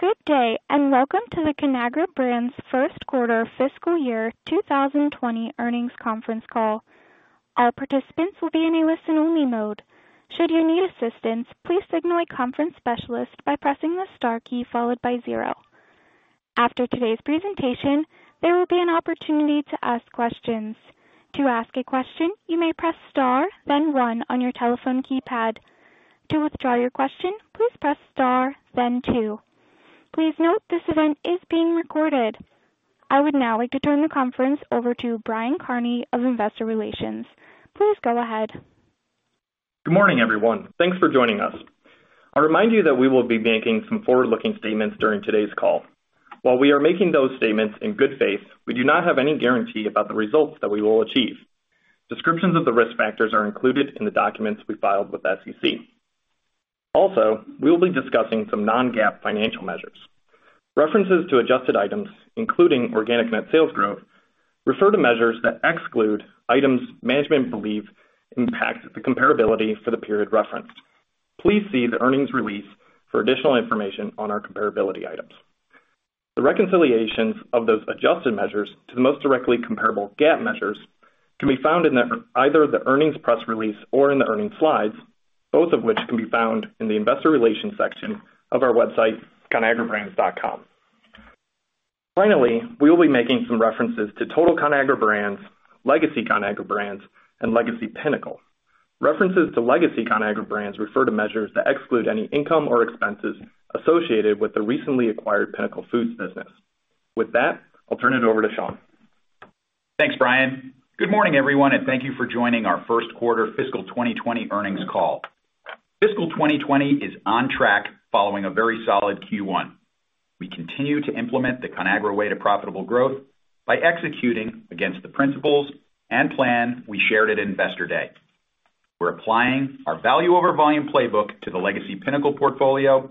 Good day and welcome to the Conagra Brands Q1 Fiscal Year 2020 Earnings Conference Call. All participants will be in a listen-only mode. Should you need assistance, please signal a conference specialist by pressing the star key followed by zero. After today's presentation, there will be an opportunity to ask questions. To ask a question, you may press star then one on your telephone keypad. To withdraw your question, please press star then two. Please note this event is being recorded. I would now like to turn the conference over to Brian Kearney of Investor Relations. Please go ahead. Good morning, everyone. Thanks for joining us. I'll remind you that we will be making some forward-looking statements during today's call. While we are making those statements in good faith, we do not have any guarantee about the results that we will achieve. Descriptions of the risk factors are included in the documents we filed with SEC. Also, we will be discussing some non-GAAP financial measures. References to adjusted items, including organic net sales growth, refer to measures that exclude items management believes impact the comparability for the period referenced. Please see the earnings release for additional information on our comparability items. The reconciliations of those adjusted measures to the most directly comparable GAAP measures can be found in either the earnings press release or in the earnings slides, both of which can be found in the investor relations section of our website, conagrabrands.com. Finally, we will be making some references to total Conagra Brands, Legacy Conagra Brands, and Legacy Pinnacle. References to Legacy Conagra Brands refer to measures that exclude any income or expenses associated with the recently acquired Pinnacle Foods business. With that, I'll turn it over to Sean. Thanks, Brian. Good morning, everyone, and thank you for joining our First Quarter Fiscal 2020 Earnings Call. Fiscal 2020 is on track following a very solid Q1. We continue to implement the Conagra Way to profitable growth by executing against the principles and plan we shared at Investor Day. We're applying our Value-over-Volume playbook to the Legacy Pinnacle portfolio,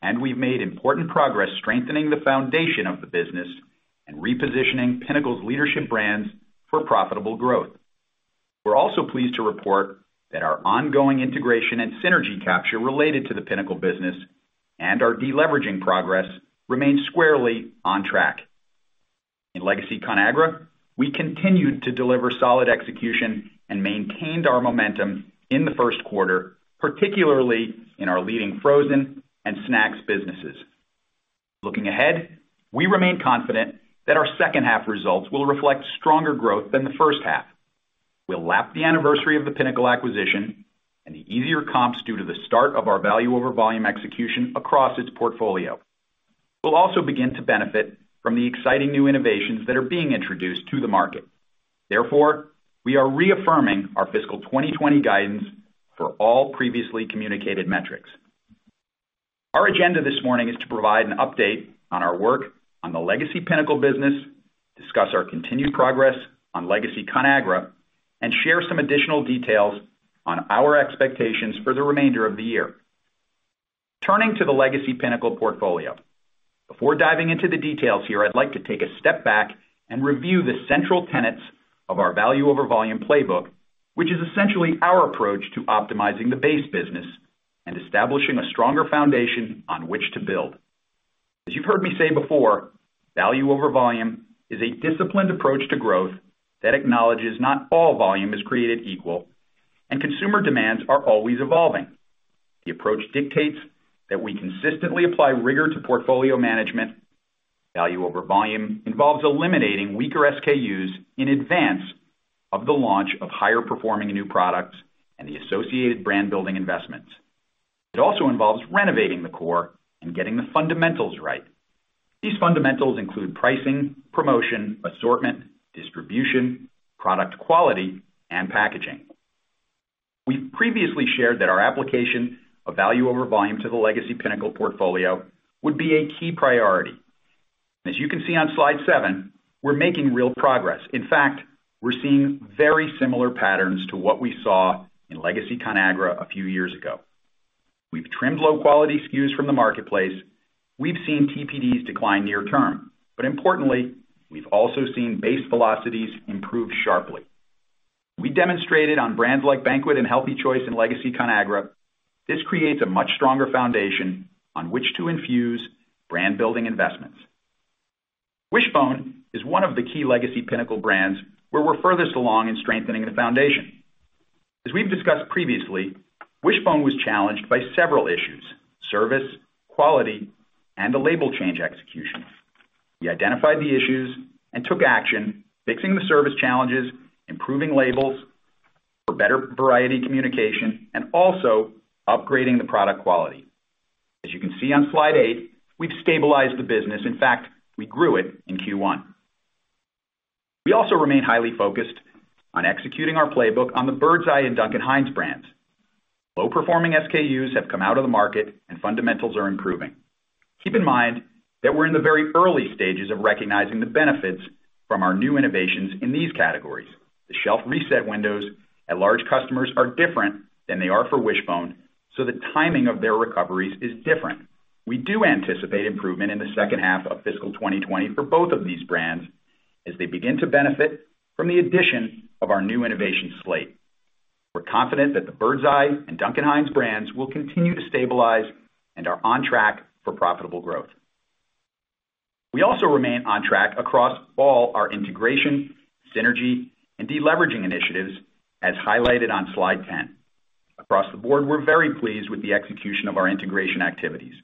and we've made important progress strengthening the foundation of the business and repositioning Pinnacle's leadership brands for profitable growth. We're also pleased to report that our ongoing integration and synergy capture related to the Pinnacle business and our deleveraging progress remain squarely on track. In Legacy Conagra, we continued to deliver solid execution and maintained our momentum in the first quarter, particularly in our leading frozen and snacks businesses. Looking ahead, we remain confident that our second half results will reflect stronger growth than the first half. We'll lap the anniversary of the Pinnacle acquisition and the easier comps due to the start of our value over volume execution across its portfolio. We'll also begin to benefit from the exciting new innovations that are being introduced to the market. Therefore, we are reaffirming our Fiscal 2020 guidance for all previously communicated metrics. Our agenda this morning is to provide an update on our work on the Legacy Pinnacle business, discuss our continued progress on Legacy Conagra, and share some additional details on our expectations for the remainder of the year. Turning to the Legacy Pinnacle portfolio, before diving into the details here, I'd like to take a step back and review the central tenets of our Value-over-Volume playbook, which is essentially our approach to optimizing the base business and establishing a stronger foundation on which to build. As you've heard me say before, Value-over-Volume is a disciplined approach to growth that acknowledges not all volume is created equal and consumer demands are always evolving. The approach dictates that we consistently apply rigor to portfolio management. Value-over-Volume involves eliminating weaker SKUs in advance of the launch of higher performing new products and the associated brand building investments. It also involves renovating the core and getting the fundamentals right. These fundamentals include pricing, promotion, assortment, distribution, product quality, and packaging. We've previously shared that our application of Value-over-Volume to the Legacy Pinnacle portfolio would be a key priority. As you can see on slide seven, we're making real progress. In fact, we're seeing very similar patterns to what we saw in Legacy Conagra a few years ago. We've trimmed low quality SKUs from the marketplace. We've seen TPDs decline near term, but importantly, we've also seen base velocities improve sharply. We demonstrated on brands like Banquet and Healthy Choice in Legacy Conagra. This creates a much stronger foundation on which to infuse brand building investments. Wish-Bone is one of the key Legacy Pinnacle brands where we're furthest along in strengthening the foundation. As we've discussed previously, Wish-Bone was challenged by several issues: service, quality, and the label change execution. We identified the issues and took action, fixing the service challenges, improving labels for better variety communication, and also upgrading the product quality. As you can see on slide eight, we've stabilized the business. In fact, we grew it in Q1. We also remain highly focused on executing our playbook on the Birds Eye and Duncan Hines brands. Low performing SKUs have come out of the market, and fundamentals are improving. Keep in mind that we're in the very early stages of recognizing the benefits from our new innovations in these categories. The shelf reset windows at large customers are different than they are for Wish-Bone, so the timing of their recoveries is different. We do anticipate improvement in the second half of Fiscal 2020 for both of these brands as they begin to benefit from the addition of our new innovation slate. We're confident that the Birds Eye and Duncan Hines brands will continue to stabilize and are on track for profitable growth. We also remain on track across all our integration, synergy, and deleveraging initiatives, as highlighted on slide 10. Across the board, we're very pleased with the execution of our integration activities.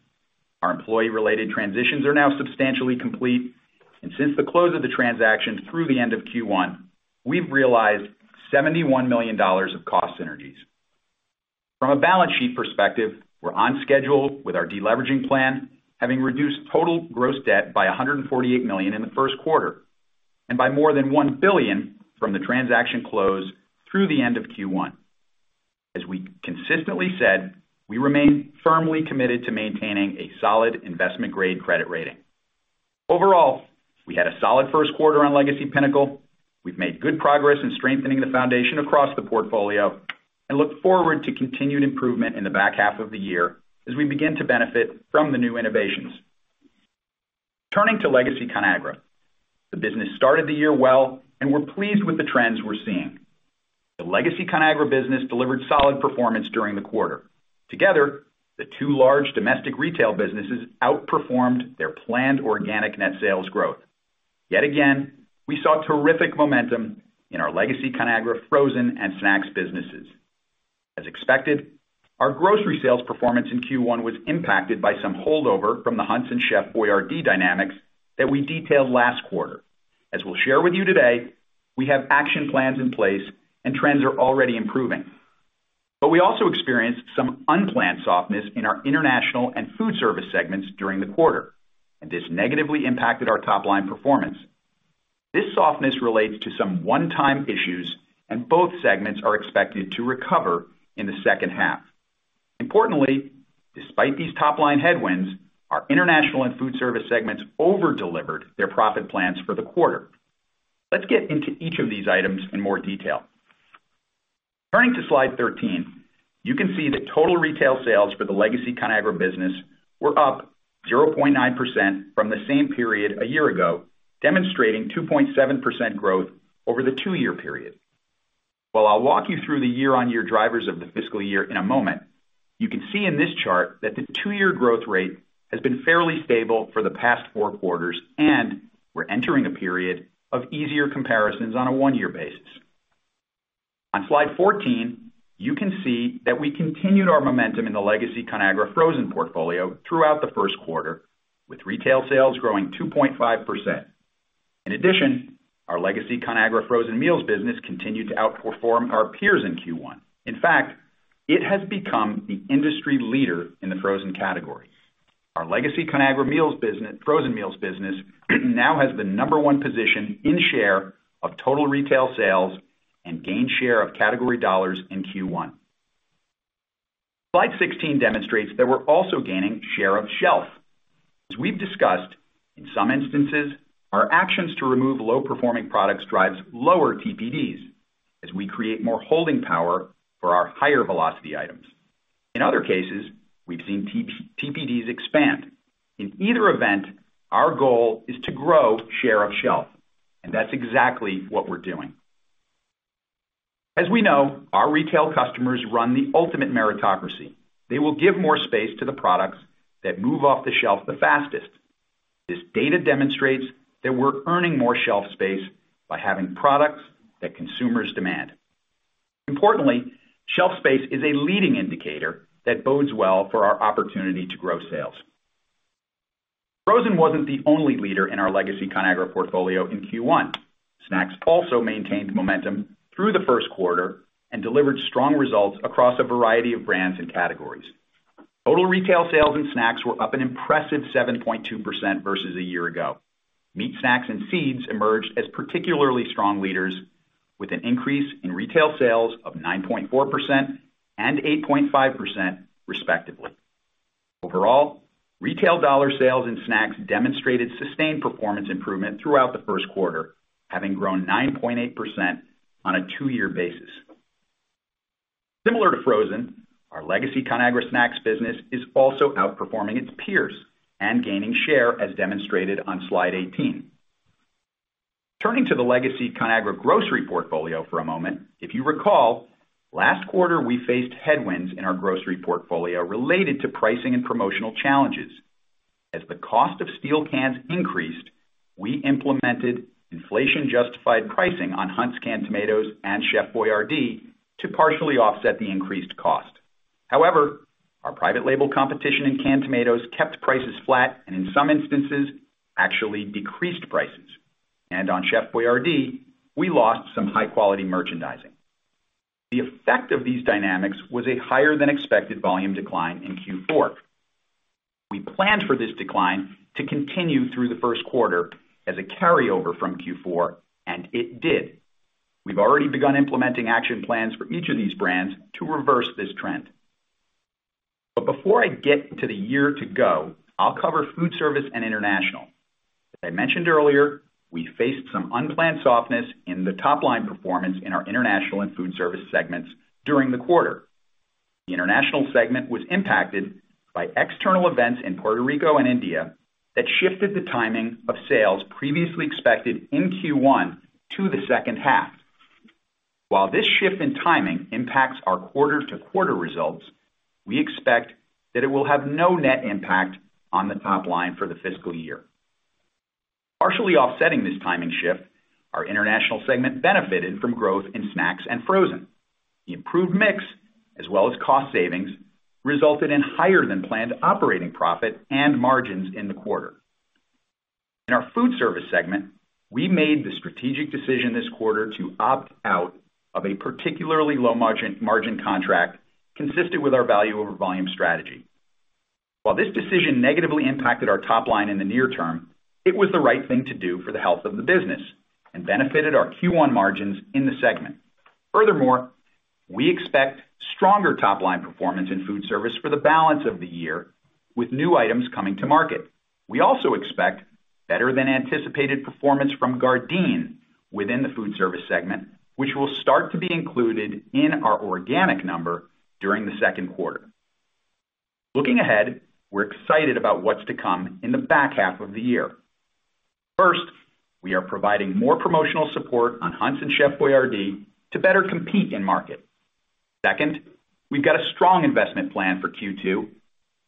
Our employee related transitions are now substantially complete, and since the close of the transaction through the end of Q1, we've realized $71 million of cost synergies. From a balance sheet perspective, we're on schedule with our deleveraging plan, having reduced total gross debt by $148 million in the Q1 and by more than $1 billion from the transaction close through the end of Q1. As we consistently said, we remain firmly committed to maintaining a solid investment grade credit rating. Overall, we had a solid Q1 on Legacy Pinnacle. We've made good progress in strengthening the foundation across the portfolio and look forward to continued improvement in the back half of the year as we begin to benefit from the new innovations. Turning to Legacy Conagra, the business started the year well, and we're pleased with the trends we're seeing. The Legacy Conagra business delivered solid performance during the quarter. Together, the two large domestic retail businesses outperformed their planned organic net sales growth. Yet again, we saw terrific momentum in our Legacy Conagra frozen and snacks businesses. As expected, our grocery sales performance in Q1 was impacted by some holdover from the Hunt's and Chef Boyardee dynamics that we detailed last quarter. As we'll share with you today, we have action plans in place, and trends are already improving. But we also experienced some unplanned softness in our international and Foodservice segments during the quarter, and this negatively impacted our top line performance. This softness relates to some one-time issues, and both segments are expected to recover in the second half. Importantly, despite these top line headwinds, our international and Foodservice segments overdelivered their profit plans for the quarter. Let's get into each of these items in more detail. Turning to slide 13, you can see that total retail sales for the Legacy Conagra business were up 0.9% from the same period a year ago, demonstrating 2.7% growth over the two-year period. While I'll walk you through the year-on-year drivers of the fiscal year in a moment, you can see in this chart that the two-year growth rate has been fairly stable for the past four quarters, and we're entering a period of easier comparisons on a one-year basis. On slide 14, you can see that we continued our momentum in the Legacy Conagra frozen portfolio throughout the Q1, with retail sales growing 2.5%. In addition, our Legacy Conagra frozen meals business continued to outperform our peers in Q1. In fact, it has become the industry leader in the frozen category. Our Legacy Conagra frozen meals business now has the number one position in share of total retail sales and gained share of category dollars in Q1. Slide 16 demonstrates that we're also gaining share of shelf. As we've discussed, in some instances, our actions to remove low performing products drive lower TPDs as we create more holding power for our higher velocity items. In other cases, we've seen TPDs expand. In either event, our goal is to grow share of shelf, and that's exactly what we're doing. As we know, our retail customers run the ultimate meritocracy. They will give more space to the products that move off the shelf the fastest. This data demonstrates that we're earning more shelf space by having products that consumers demand. Importantly, shelf space is a leading indicator that bodes well for our opportunity to grow sales. Frozen wasn't the only leader in our Legacy Conagra portfolio in Q1. Snacks also maintained momentum through the Q1 and delivered strong results across a variety of brands and categories. Total retail sales in snacks were up an impressive 7.2% versus a year ago. Meat snacks and seeds emerged as particularly strong leaders, with an increase in retail sales of 9.4% and 8.5% respectively. Overall, retail dollar sales in snacks demonstrated sustained performance improvement throughout the Q1, having grown 9.8% on a two-year basis. Similar to frozen, our Legacy Conagra snacks business is also outperforming its peers and gaining share, as demonstrated on slide 18. Turning to the Legacy Conagra grocery portfolio for a moment, if you recall, last quarter we faced headwinds in our grocery portfolio related to pricing and promotional challenges. As the cost of steel cans increased, we implemented inflation-justified pricing on Hunt's canned tomatoes and Chef Boyardee to partially offset the increased cost. However, our private label competition in canned tomatoes kept prices flat and in some instances actually decreased prices, and on Chef Boyardee, we lost some high quality merchandising. The effect of these dynamics was a higher than expected volume decline in Q4. We planned for this decline to continue through the Q1 as a carryover from Q4, and it did. We've already begun implementing action plans for each of these brands to reverse this trend, but before I get to the year to go, I'll cover Foodservice and international. As I mentioned earlier, we faced some unplanned softness in the top line performance in our international and Foodservice segments during the quarter. The international segment was impacted by external events in Puerto Rico and India that shifted the timing of sales previously expected in Q1 to the second half. While this shift in timing impacts our quarter-to-quarter results, we expect that it will have no net impact on the top line for the fiscal year. Partially offsetting this timing shift, our international segment benefited from growth in snacks and frozen. The improved mix, as well as cost savings, resulted in higher than planned operating profit and margins in the quarter. In our Foodservice segment, we made the strategic decision this quarter to opt out of a particularly low margin contract consistent with our Value-over-Volume strategy. While this decision negatively impacted our top line in the near term, it was the right thing to do for the health of the business and benefited our Q1 margins in the segment. Furthermore, we expect stronger top line performance in Foodservice for the balance of the year, with new items coming to market. We also expect better than anticipated performance from Gardein within the Foodservice segment, which will start to be included in our organic number during the Q2. Looking ahead, we're excited about what's to come in the back half of the year. First, we are providing more promotional support on Hunt's and Chef Boyardee to better compete in market. Second, we've got a strong investment plan for Q2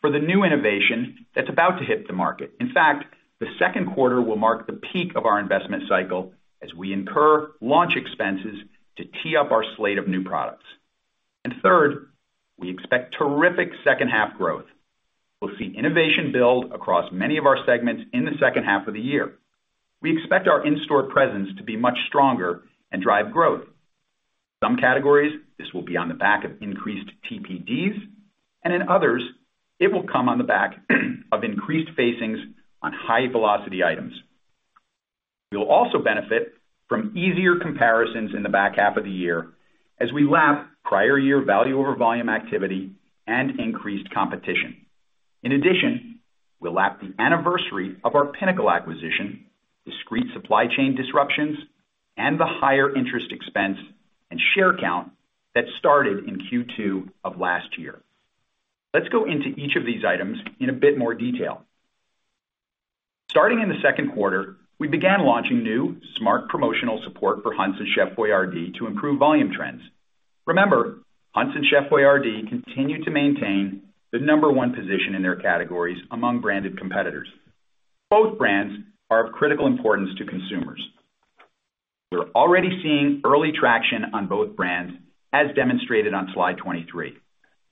for the new innovation that's about to hit the market. In fact, the Q2 will mark the peak of our investment cycle as we incur launch expenses to tee up our slate of new products, and third, we expect terrific second half growth. We'll see innovation build across many of our segments in the second half of the year. We expect our in-store presence to be much stronger and drive growth. In some categories, this will be on the back of increased TPDs, and in others, it will come on the back of increased facings on high velocity items. We'll also benefit from easier comparisons in the back half of the year as we lap prior year Value-over-Volume activity and increased competition. In addition, we'll lap the anniversary of our Pinnacle acquisition, discrete supply chain disruptions, and the higher interest expense and share count that started in Q2 of last year. Let's go into each of these items in a bit more detail. Starting in the Q2, we began launching new smart promotional support for Hunt's and Chef Boyardee to improve volume trends. Remember, Hunt's and Chef Boyardee continue to maintain the number one position in their categories among branded competitors. Both brands are of critical importance to consumers. We're already seeing early traction on both brands, as demonstrated on slide 23.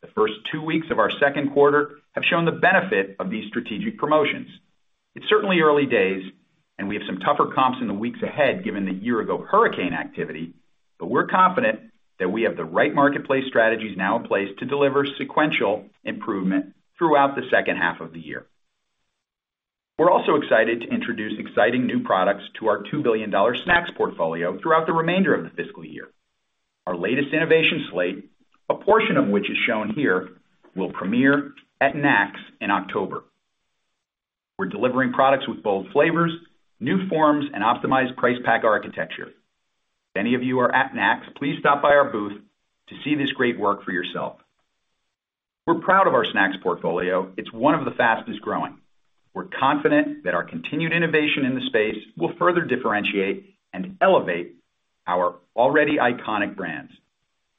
The first two weeks of our Q2 have shown the benefit of these strategic promotions. It's certainly early days, and we have some tougher comps in the weeks ahead given the year-ago hurricane activity, but we're confident that we have the right marketplace strategies now in place to deliver sequential improvement throughout the second half of the year. We're also excited to introduce exciting new products to our $2 billion snacks portfolio throughout the remainder of the fiscal year. Our latest innovation slate, a portion of which is shown here, will premiere at NACS in October. We're delivering products with bold flavors, new forms, and optimized price pack architecture. If any of you are at NACS, please stop by our booth to see this great work for yourself. We're proud of our snacks portfolio. It's one of the fastest growing. We're confident that our continued innovation in the space will further differentiate and elevate our already iconic brands.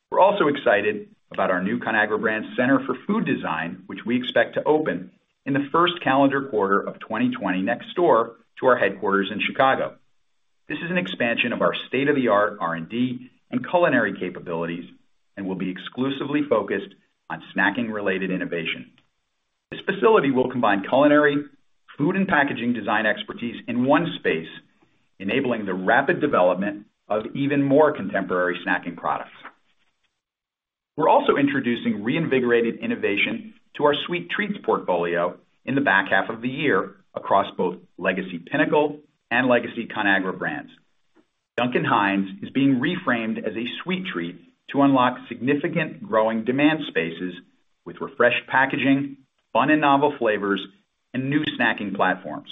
We're also excited about our new Conagra Brands Center for Food Design, which we expect to open in the first calendar quarter of 2020 next door to our headquarters in Chicago. This is an expansion of our state-of-the-art R&D and culinary capabilities and will be exclusively focused on snacking-related innovation. This facility will combine culinary, food, and packaging design expertise in one space, enabling the rapid development of even more contemporary snacking products. We're also introducing reinvigorated innovation to our sweet treats portfolio in the back half of the year across both Legacy Pinnacle and Legacy Conagra Brands. Duncan Hines is being reframed as a sweet treat to unlock significant growing demand spaces with refreshed packaging, fun and novel flavors, and new snacking platforms.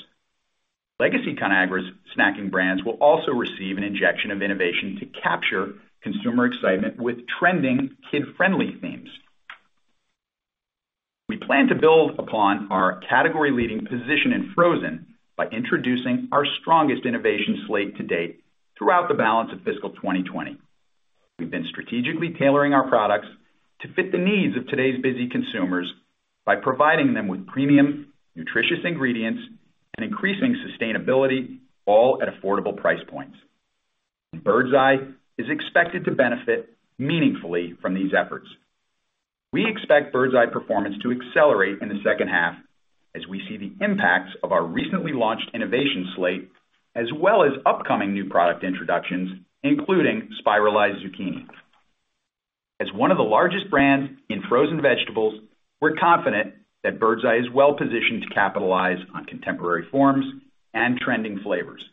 Legacy Conagra's snacking brands will also receive an injection of innovation to capture consumer excitement with trending kid-friendly themes. We plan to build upon our category-leading position in frozen by introducing our strongest innovation slate to date throughout the balance of Fiscal 2020. We've been strategically tailoring our products to fit the needs of today's busy consumers by providing them with premium, nutritious ingredients and increasing sustainability, all at affordable price points. Birds Eye is expected to benefit meaningfully from these efforts. We expect Birds Eye performance to accelerate in the second half as we see the impacts of our recently launched innovation slate, as well as upcoming new product introductions, including spiralized zucchini. As one of the largest brands in frozen vegetables, we're confident that Birds Eye is well positioned to capitalize on contemporary forms and trending flavors.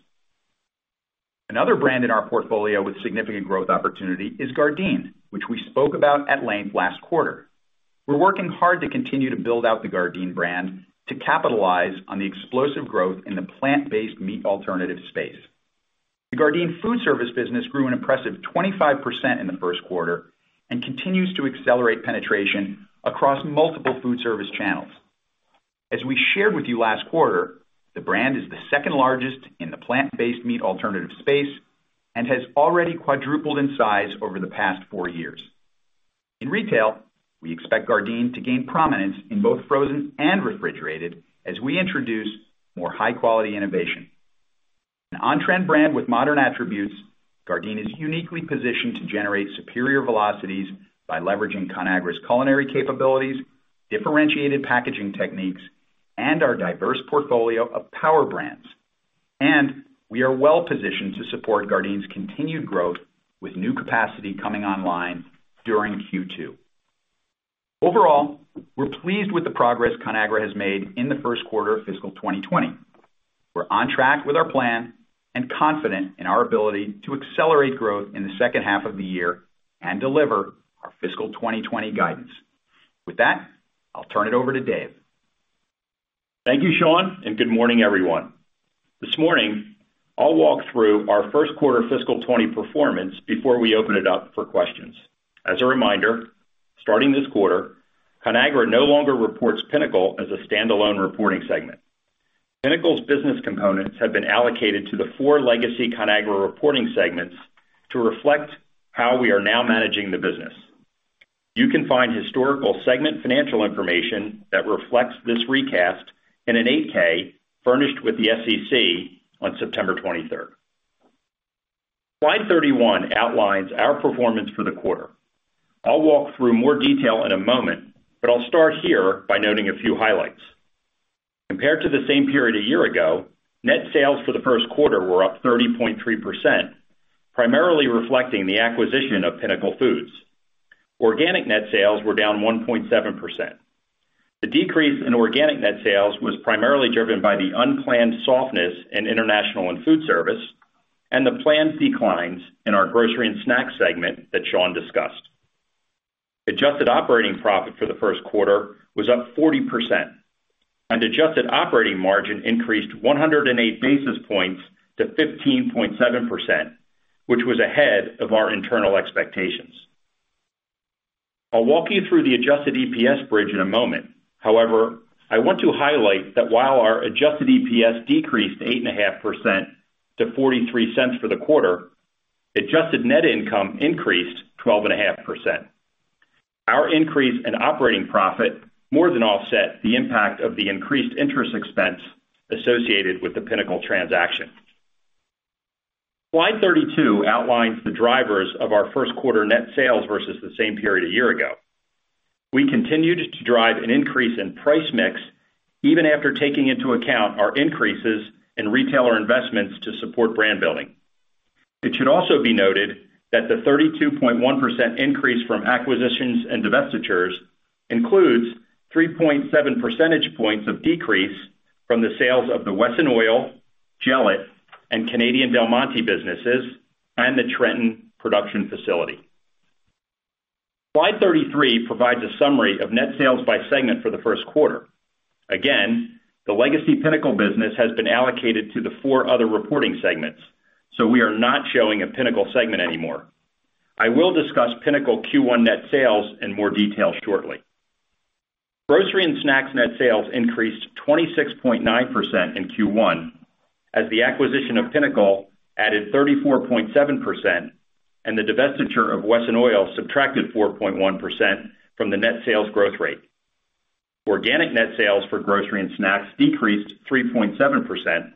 Another brand in our portfolio with significant growth opportunity is Gardein, which we spoke about at length last quarter. We're working hard to continue to build out the Gardein brand to capitalize on the explosive growth in the plant-based meat alternative space. The Gardein Foodservice business grew an impressive 25% in the Q1 and continues to accelerate penetration across multiple Foodservice channels. As we shared with you last quarter, the brand is the second largest in the plant-based meat alternative space and has already quadrupled in size over the past four years. In retail, we expect Gardein to gain prominence in both frozen and refrigerated as we introduce more high-quality innovation. An on-trend brand with modern attributes, Gardein is uniquely positioned to generate superior velocities by leveraging Conagra's culinary capabilities, differentiated packaging techniques, and our diverse portfolio of power brands. And we are well positioned to support Gardein's continued growth with new capacity coming online during Q2. Overall, we're pleased with the progress Conagra has made in the Q1 of Fiscal 2020. We're on track with our plan and confident in our ability to accelerate growth in the second half of the year and deliver our Fiscal 2020 guidance. With that, I'll turn it over to Dave. Thank you, Sean, and good morning, everyone. This morning, I'll walk through our Q1 Fiscal 2020 performance before we open it up for questions. As a reminder, starting this quarter, Conagra no longer reports Pinnacle as a standalone reporting segment. Pinnacle's business components have been allocated to the four Legacy Conagra reporting segments to reflect how we are now managing the business. You can find historical segment financial information that reflects this recast in an 8-K furnished with the SEC on September 23rd. Slide 31 outlines our performance for the quarter. I'll walk through more detail in a moment, but I'll start here by noting a few highlights. Compared to the same period a year ago, net sales for the Q1 were up 30.3%, primarily reflecting the acquisition of Pinnacle Foods. Organic net sales were down 1.7%. The decrease in organic net sales was primarily driven by the unplanned softness in international and Foodservice, and the planned declines in our grocery and snacks segment that Sean discussed. Adjusted operating profit for the Q1 was up 40%, and adjusted operating margin increased 108 basis points to 15.7%, which was ahead of our internal expectations. I'll walk you through the adjusted EPS bridge in a moment. However, I want to highlight that while our adjusted EPS decreased 8.5% to $0.43 for the quarter, adjusted net income increased 12.5%. Our increase in operating profit more than offset the impact of the increased interest expense associated with the Pinnacle transaction. Slide 32 outlines the drivers of our Q1 net sales versus the same period a year ago. We continued to drive an increase in price mix even after taking into account our increases in retailer investments to support brand building. It should also be noted that the 32.1% increase from acquisitions and divestitures includes 3.7 percentage points of decrease from the sales of the Wesson Oil, Gelit, and Canadian Del Monte businesses, and the Trenton production facility. Slide 33 provides a summary of net sales by segment for the Q1. Again, the Legacy Pinnacle business has been allocated to the four other reporting segments, so we are not showing a Pinnacle segment anymore. I will discuss Pinnacle Q1 net sales in more detail shortly. Grocery and snacks net sales increased 26.9% in Q1, as the acquisition of Pinnacle added 34.7%, and the divestiture of Wesson Oil subtracted 4.1% from the net sales growth rate. Organic net sales for grocery and snacks decreased 3.7%,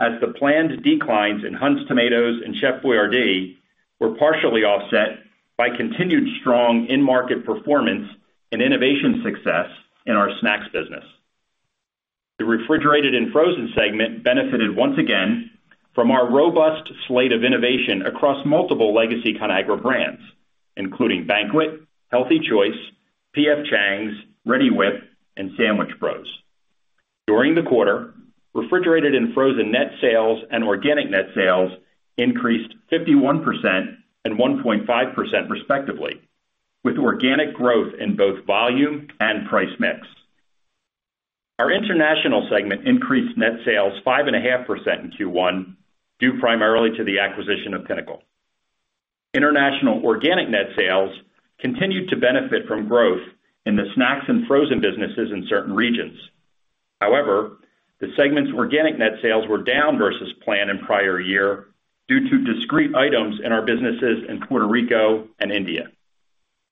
as the planned declines in Hunt's tomatoes and Chef Boyardee were partially offset by continued strong in-market performance and innovation success in our snacks business. The refrigerated and frozen segment benefited once again from our robust slate of innovation across multiple Legacy Conagra brands, including Banquet, Healthy Choice, P.F. Chang's, Reddi-wip, and Sandwich Bros. During the quarter, refrigerated and frozen net sales and organic net sales increased 51% and 1.5% respectively, with organic growth in both volume and price mix. Our international segment increased net sales 5.5% in Q1 due primarily to the acquisition of Pinnacle. International organic net sales continued to benefit from growth in the snacks and frozen businesses in certain regions. However, the segment's organic net sales were down versus planned in prior year due to discrete items in our businesses in Puerto Rico and India.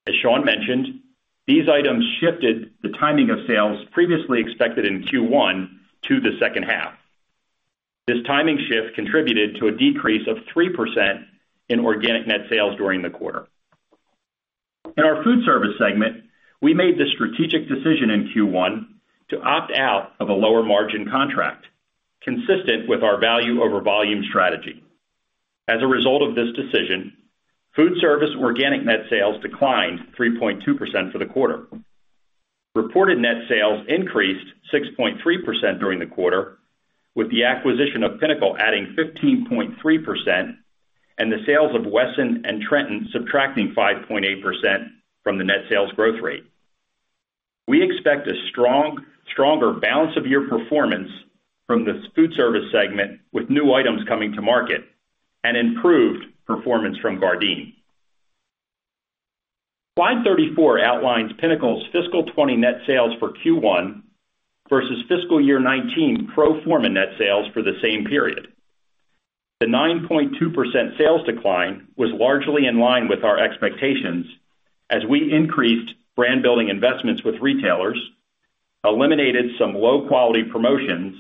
As Sean mentioned, these items shifted the timing of sales previously expected in Q1 to the second half. This timing shift contributed to a decrease of 3% in organic net sales during the quarter. In our Foodservice segment, we made the strategic decision in Q1 to opt out of a lower margin contract, consistent with our Value-over-Volume strategy. As a result of this decision, Foodservice organic net sales declined 3.2% for the quarter. Reported net sales increased 6.3% during the quarter, with the acquisition of Pinnacle adding 15.3% and the sales of Wesson and Trenton subtracting 5.8% from the net sales growth rate. We expect a stronger balance of year performance from the Foodservice segment with new items coming to market and improved performance from Gardein. Slide 34 outlines Pinnacle's Fiscal 2020 net sales for Q1 versus Fiscal Year 2019 pro forma net sales for the same period. The 9.2% sales decline was largely in line with our expectations as we increased brand building investments with retailers, eliminated some low-quality promotions,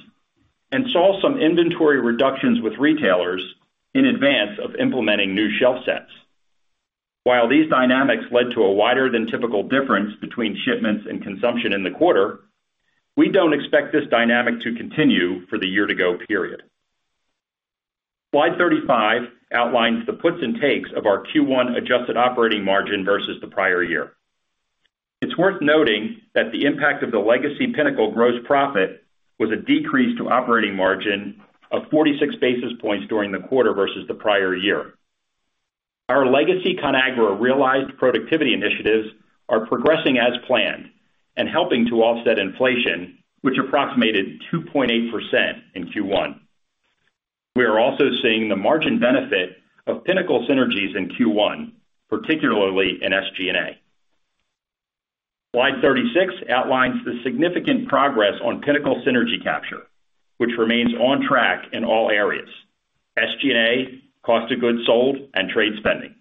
and saw some inventory reductions with retailers in advance of implementing new shelf sets. While these dynamics led to a wider than typical difference between shipments and consumption in the quarter, we don't expect this dynamic to continue for the year-to-go period. Slide 35 outlines the puts and takes of our Q1 adjusted operating margin versus the prior year. It's worth noting that the impact of the Legacy Pinnacle gross profit was a decrease to operating margin of 46 basis points during the quarter versus the prior year. Our Legacy Conagra realized productivity initiatives are progressing as planned and helping to offset inflation, which approximated 2.8% in Q1. We are also seeing the margin benefit of Pinnacle synergies in Q1, particularly in SG&A. Slide 36 outlines the significant progress on Pinnacle synergy capture, which remains on track in all areas: SG&A, cost of goods sold, and trade spending.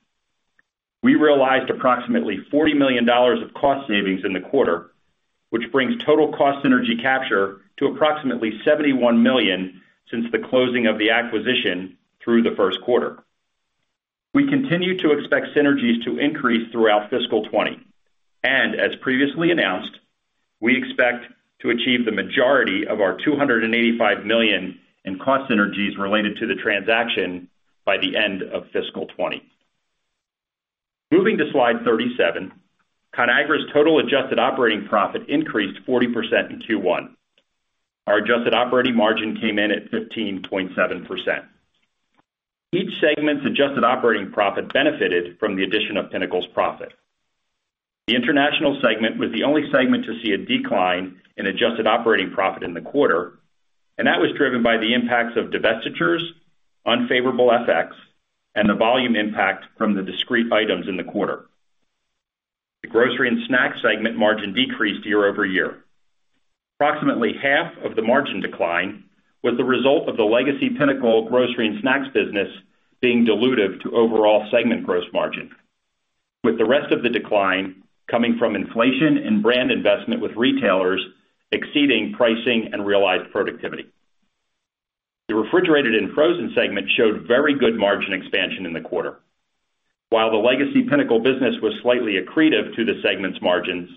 We realized approximately $40 million of cost savings in the quarter, which brings total cost synergy capture to approximately $71 million since the closing of the acquisition through the Q1. We continue to expect synergies to increase throughout Fiscal 2020, and as previously announced, we expect to achieve the majority of our $285 million in cost synergies related to the transaction by the end of Fiscal 2020. Moving to Slide 37, Conagra's total adjusted operating profit increased 40% in Q1. Our adjusted operating margin came in at 15.7%. Each segment's adjusted operating profit benefited from the addition of Pinnacle's profit. The international segment was the only segment to see a decline in adjusted operating profit in the quarter, and that was driven by the impacts of divestitures, unfavorable FX, and the volume impact from the discrete items in the quarter. The grocery and snacks segment margin decreased year over year. Approximately half of the margin decline was the result of the Legacy Pinnacle grocery and snacks business being dilutive to overall segment gross margin, with the rest of the decline coming from inflation and brand investment with retailers exceeding pricing and realized productivity. The refrigerated and frozen segment showed very good margin expansion in the quarter. While the Legacy Pinnacle business was slightly accretive to the segment's margins,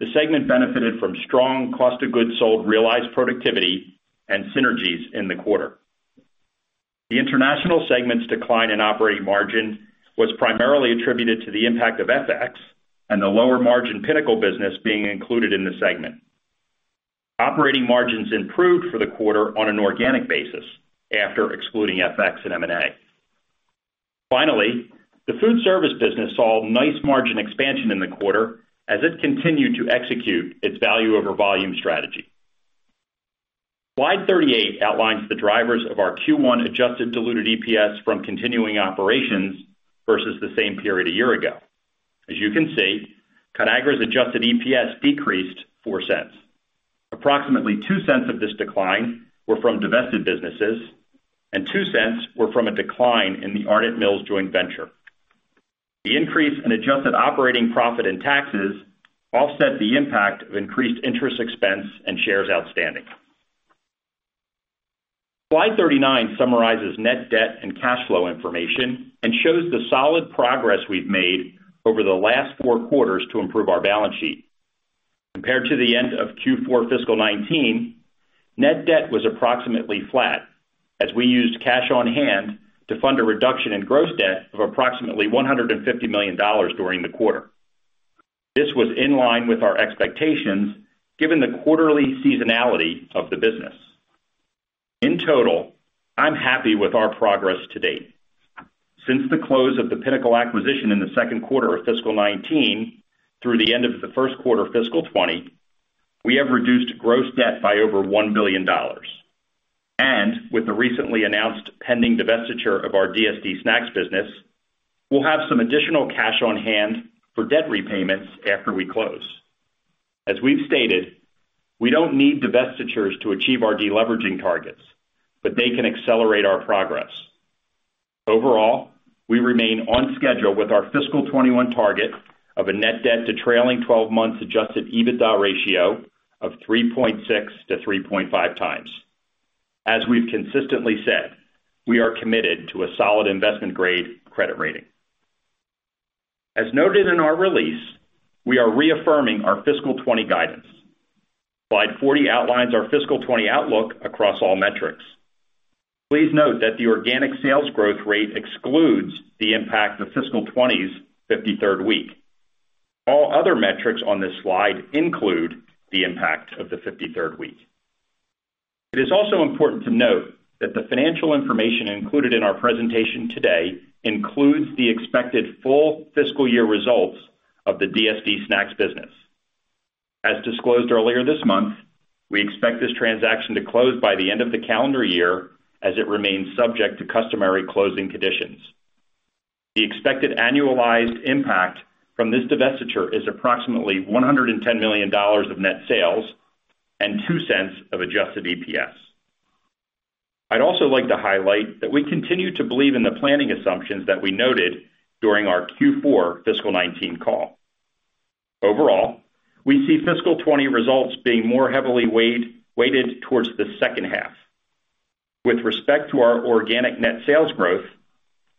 the segment benefited from strong cost of goods sold, realized productivity, and synergies in the quarter. The international segment's decline in operating margin was primarily attributed to the impact of FX and the lower margin Pinnacle business being included in the segment. Operating margins improved for the quarter on an organic basis after excluding FX and M&A. Finally, the Foodservice business saw nice margin expansion in the quarter as it continued to execute its Value-over-Volume strategy. Slide 38 outlines the drivers of our Q1 adjusted diluted EPS from continuing operations versus the same period a year ago. As you can see, Conagra's adjusted EPS decreased $0.04. Approximately $0.02 of this decline were from divested businesses, and $0.02 were from a decline in the Ardent Mills joint venture. The increase in adjusted operating profit and taxes offset the impact of increased interest expense and shares outstanding. Slide 39 summarizes net debt and cash flow information and shows the solid progress we've made over the last four quarters to improve our balance sheet. Compared to the end of Q4 Fiscal 2019, net debt was approximately flat as we used cash on hand to fund a reduction in gross debt of approximately $150 million during the quarter. This was in line with our expectations given the quarterly seasonality of the business. In total, I'm happy with our progress to date. Since the close of the Pinnacle acquisition in the Q2 of Fiscal 2019 through the end of the Q1 of Fiscal 2020, we have reduced gross debt by over $1 billion, and with the recently announced pending divestiture of our DSD snacks business, we'll have some additional cash on hand for debt repayments after we close. As we've stated, we don't need divestitures to achieve our deleveraging targets, but they can accelerate our progress. Overall, we remain on schedule with our Fiscal 2021 target of a net debt to trailing 12 months adjusted EBITDA ratio of 3.6 to 3.5 times. As we've consistently said, we are committed to a solid investment-grade credit rating. As noted in our release, we are reaffirming our Fiscal 2020 guidance. Slide 40 outlines our Fiscal 2020 outlook across all metrics. Please note that the organic sales growth rate excludes the impact of Fiscal 2020's 53rd week. All other metrics on this slide include the impact of the 53rd week. It is also important to note that the financial information included in our presentation today includes the expected full fiscal year results of the DSD snacks business. As disclosed earlier this month, we expect this transaction to close by the end of the calendar year as it remains subject to customary closing conditions. The expected annualized impact from this divestiture is approximately $110 million of net sales and $0.02 of Adjusted EPS. I'd also like to highlight that we continue to believe in the planning assumptions that we noted during our Q4 Fiscal 2019 call. Overall, we see Fiscal 2020 results being more heavily weighted towards the second half. With respect to our organic net sales growth,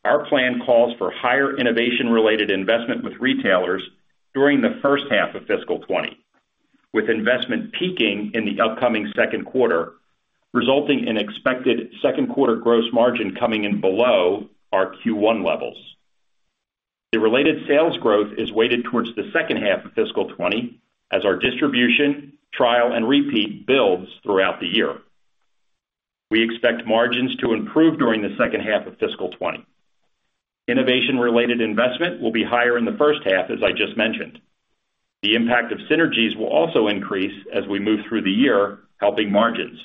our plan calls for higher innovation-related investment with retailers during the first half of Fiscal 20, with investment peaking in the upcoming Q2, resulting in expected Q2 gross margin coming in below our Q1 levels. The related sales growth is weighted towards the second half of Fiscal 2020 as our distribution, trial, and repeat builds throughout the year. We expect margins to improve during the second half of Fiscal 2020. Innovation-related investment will be higher in the first half, as I just mentioned. The impact of synergies will also increase as we move through the year, helping margins.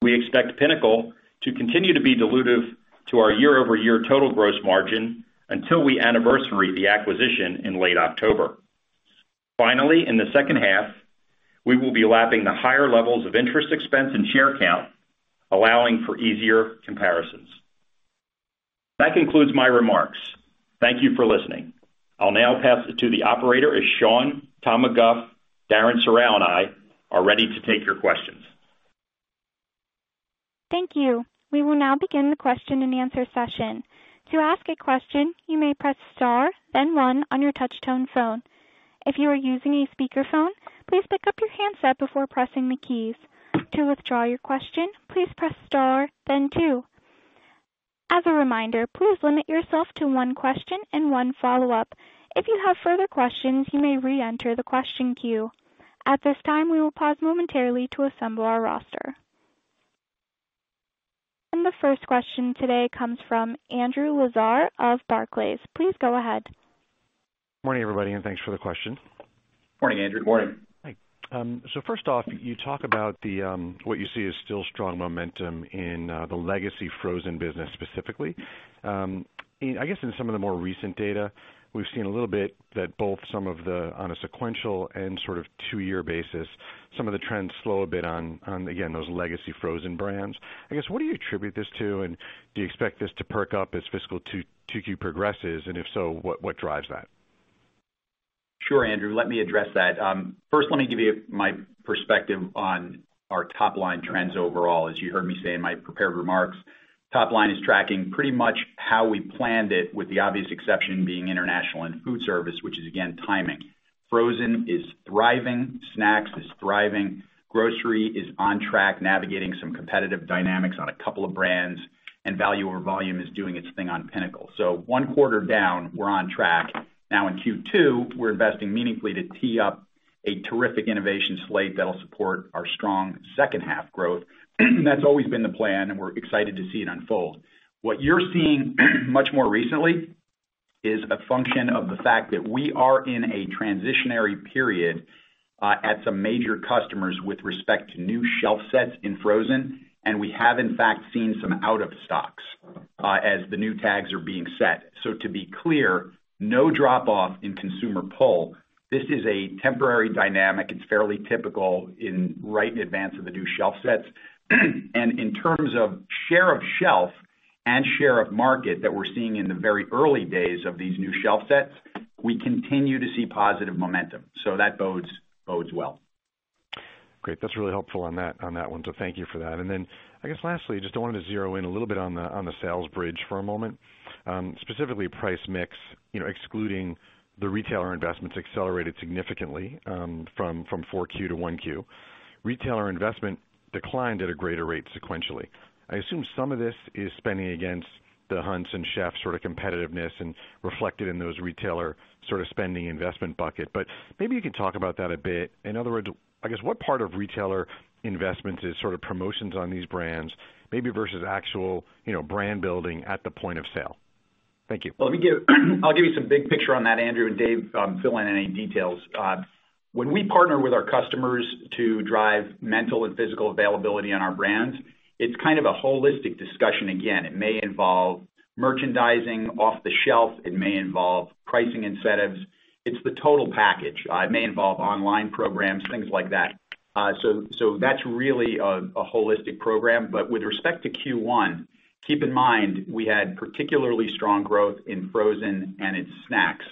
We expect Pinnacle to continue to be dilutive to our year-over-year total gross margin until we anniversary the acquisition in late October. Finally, in the second half, we will be lapping the higher levels of interest expense and share count, allowing for easier comparisons. That concludes my remarks. Thank you for listening. I'll now pass it to the operator as Sean, Tom McGough, Darren Serrao, and I are ready to take your questions. Thank you. We will now begin the question and answer session. To ask a question, you may press star, then one on your touch-tone phone. If you are using a speakerphone, please pick up your handset before pressing the keys. To withdraw your question, please press star, then two. As a reminder, please limit yourself to one question and one follow-up. If you have further questions, you may re-enter the question queue. At this time, we will pause momentarily to assemble our roster. And the first question today comes from Andrew Lazar of Barclays. Please go ahead. Morning, everybody, and thanks for the question. Morning, Andrew. Good morning. Hi. So first off, you talk about what you see as still strong momentum in the legacy frozen business specifically. I guess in some of the more recent data, we've seen a little bit that both some of the, on a sequential and sort of two-year basis, some of the trends slow a bit on, again, those legacy frozen brands. I guess, what do you attribute this to, and do you expect this to perk up as fiscal 2Q progresses, and if so, what drives that? Sure, Andrew. Let me address that. First, let me give you my perspective on our top-line trends overall, as you heard me say in my prepared remarks. Top-line is tracking pretty much how we planned it, with the obvious exception being international and Foodservice, which is, again, timing. Frozen is thriving. Snacks is thriving. Grocery is on track navigating some competitive dynamics on a couple of brands, and Value-over-Volume is doing its thing on Pinnacle. So one quarter down, we're on track. Now in Q2, we're investing meaningfully to tee up a terrific innovation slate that'll support our strong second half growth. That's always been the plan, and we're excited to see it unfold. What you're seeing much more recently is a function of the fact that we are in a transitionary period at some major customers with respect to new shelf sets in frozen, and we have, in fact, seen some out-of-stocks as the new tags are being set. So to be clear, no drop-off in consumer pull. This is a temporary dynamic. It's fairly typical right in advance of the new shelf sets. And in terms of share of shelf and share of market that we're seeing in the very early days of these new shelf sets, we continue to see positive momentum. So that bodes well. Great. That's really helpful on that one. So thank you for that. And then I guess lastly, I just wanted to zero in a little bit on the sales bridge for a moment, specifically price mix, excluding the retailer investments accelerated significantly from 4Q to 1Q. Retailer investment declined at a greater rate sequentially. I assume some of this is spending against the Hunt's and Chef's sort of competitiveness and reflected in those retailer sort of spending investment bucket. But maybe you can talk about that a bit. In other words, I guess what part of retailer investment is sort of promotions on these brands, maybe versus actual brand building at the point of sale? Thank you. Well, I'll give you some big picture on that, Andrew, and Dave fill in any details. When we partner with our customers to drive mental and physical availability on our brands, it's kind of a holistic discussion. Again, it may involve merchandising off the shelf. It may involve pricing incentives. It's the total package. It may involve online programs, things like that. So that's really a holistic program. But with respect to Q1, keep in mind we had particularly strong growth in frozen and in snacks.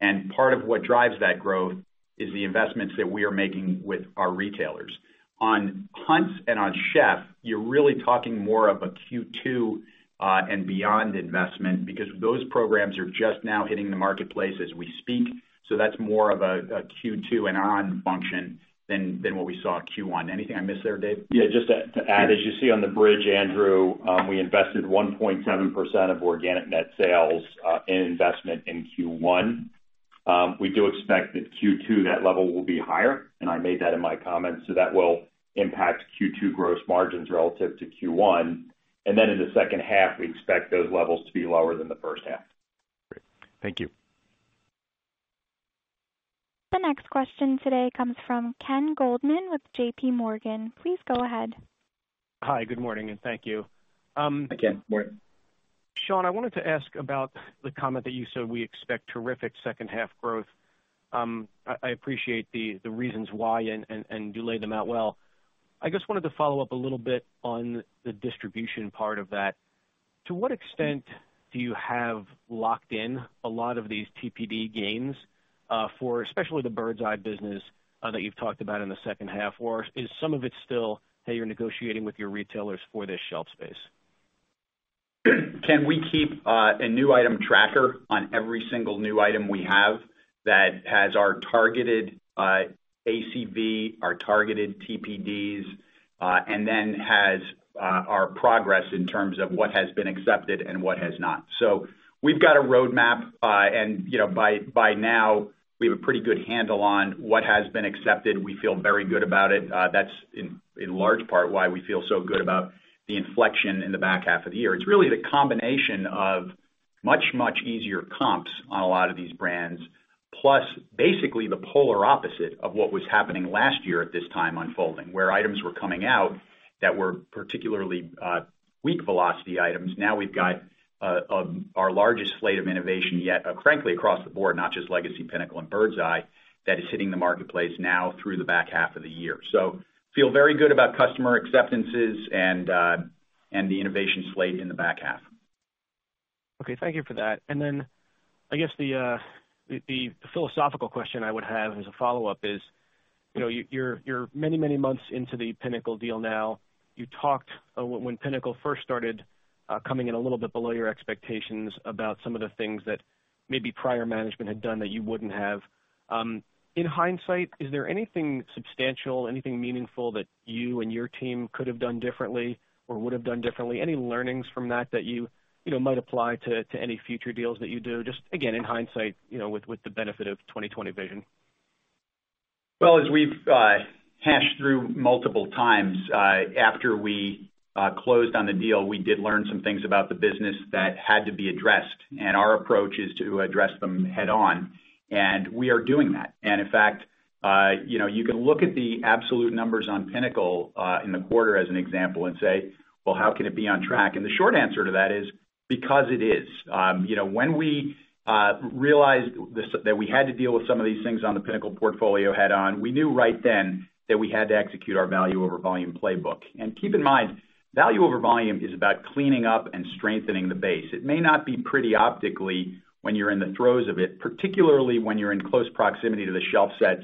And part of what drives that growth is the investments that we are making with our retailers. On Hunt's and on Chef, you're really talking more of a Q2 and beyond investment because those programs are just now hitting the marketplace as we speak. So that's more of a Q2 and on function than what we saw Q1. Anything I missed there, Dave? Yeah. Just to add, as you see on the bridge, Andrew, we invested 1.7% of organic net sales in investment in Q1. We do expect that Q2 that level will be higher, and I made that in my comments. So that will impact Q2 gross margins relative to Q1. And then in the second half, we expect those levels to be lower than the first half. Great. Thank you. The next question today comes from Ken Goldman with JPMorgan. Please go ahead. Hi. Good morning, and thank you. Hi, Ken. Morning. Sean, I wanted to ask about the comment that you said we expect terrific second half growth. I appreciate the reasons why and you laid them out well. I just wanted to follow up a little bit on the distribution part of that. To what extent do you have locked in a lot of these TPD gains for especially the Birds Eye business that you've talked about in the second half? Or is some of it still, hey, you're negotiating with your retailers for this shelf space? Ken, we keep a new item tracker on every single new item we have that has our targeted ACV, our targeted TPDs, and then has our progress in terms of what has been accepted and what has not? So we've got a roadmap, and by now, we have a pretty good handle on what has been accepted. We feel very good about it. That's in large part why we feel so good about the inflection in the back half of the year. It's really the combination of much, much easier comps on a lot of these brands, plus basically the polar opposite of what was happening last year at this time unfolding, where items were coming out that were particularly weak velocity items. Now we've got our largest slate of innovation yet, frankly, across the board, not just Legacy Pinnacle and Birds Eye, that is hitting the marketplace now through the back half of the year. So feel very good about customer acceptances and the innovation slate in the back half. Okay. Thank you for that. And then I guess the philosophical question I would have as a follow-up is you're many, many months into the Pinnacle deal now. You talked when Pinnacle first started coming in a little bit below your expectations about some of the things that maybe prior management had done that you wouldn't have. In hindsight, is there anything substantial, anything meaningful that you and your team could have done differently or would have done differently? Any learnings from that that you might apply to any future deals that you do? Just again, in hindsight with the benefit of 2020 vision. Well, as we've hashed through multiple times after we closed on the deal, we did learn some things about the business that had to be addressed, and our approach is to address them head-on. And we are doing that. And in fact, you can look at the absolute numbers on Pinnacle in the quarter as an example and say, "Well, how can it be on track?" And the short answer to that is because it is. When we realized that we had to deal with some of these things on the Pinnacle portfolio head-on, we knew right then that we had to execute our Value-over-Volume playbook. And keep in mind, Value-over-Volume is about cleaning up and strengthening the base. It may not be pretty optically when you're in the throes of it, particularly when you're in close proximity to the shelf sets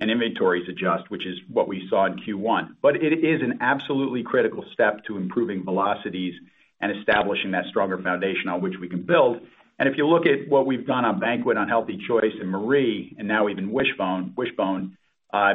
and inventories adjust, which is what we saw in Q1. But it is an absolutely critical step to improving velocities and establishing that stronger foundation on which we can build. And if you look at what we've done on Banquet, on Healthy Choice, and Marie, and now even Wish-Bone,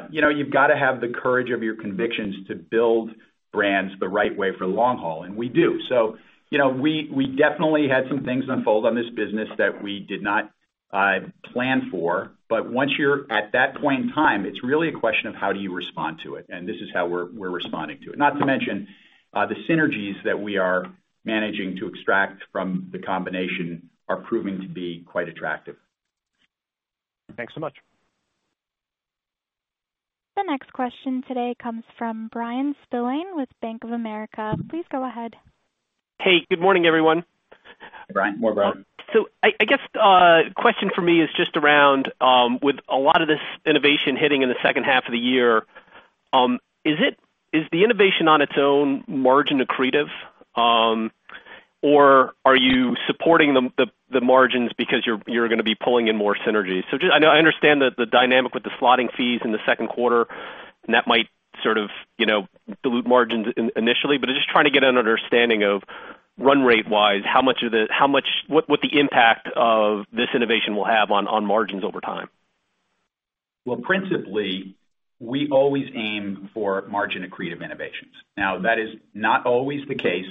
you've got to have the courage of your convictions to build brands the right way for long haul, and we do. So we definitely had some things unfold on this business that we did not plan for. But once you're at that point in time, it's really a question of how do you respond to it, and this is how we're responding to it. Not to mention the synergies that we are managing to extract from the combination are proving to be quite attractive. Thanks so much. The next question today comes from Bryan Spillane with Bank of America. Please go ahead. Hey. Good morning, everyone. Hi, Bryan. Morning, Bryan. So I guess the question for me is just around with a lot of this innovation hitting in the second half of the year, is the innovation on its own margin accretive, or are you supporting the margins because you're going to be pulling in more synergies? I understand the dynamic with the slotting fees in the Q2, and that might sort of dilute margins initially. But I'm just trying to get an understanding of run rate-wise, how much of the what the impact of this innovation will have on margins over time. Well, principally, we always aim for margin accretive innovations. Now, that is not always the case.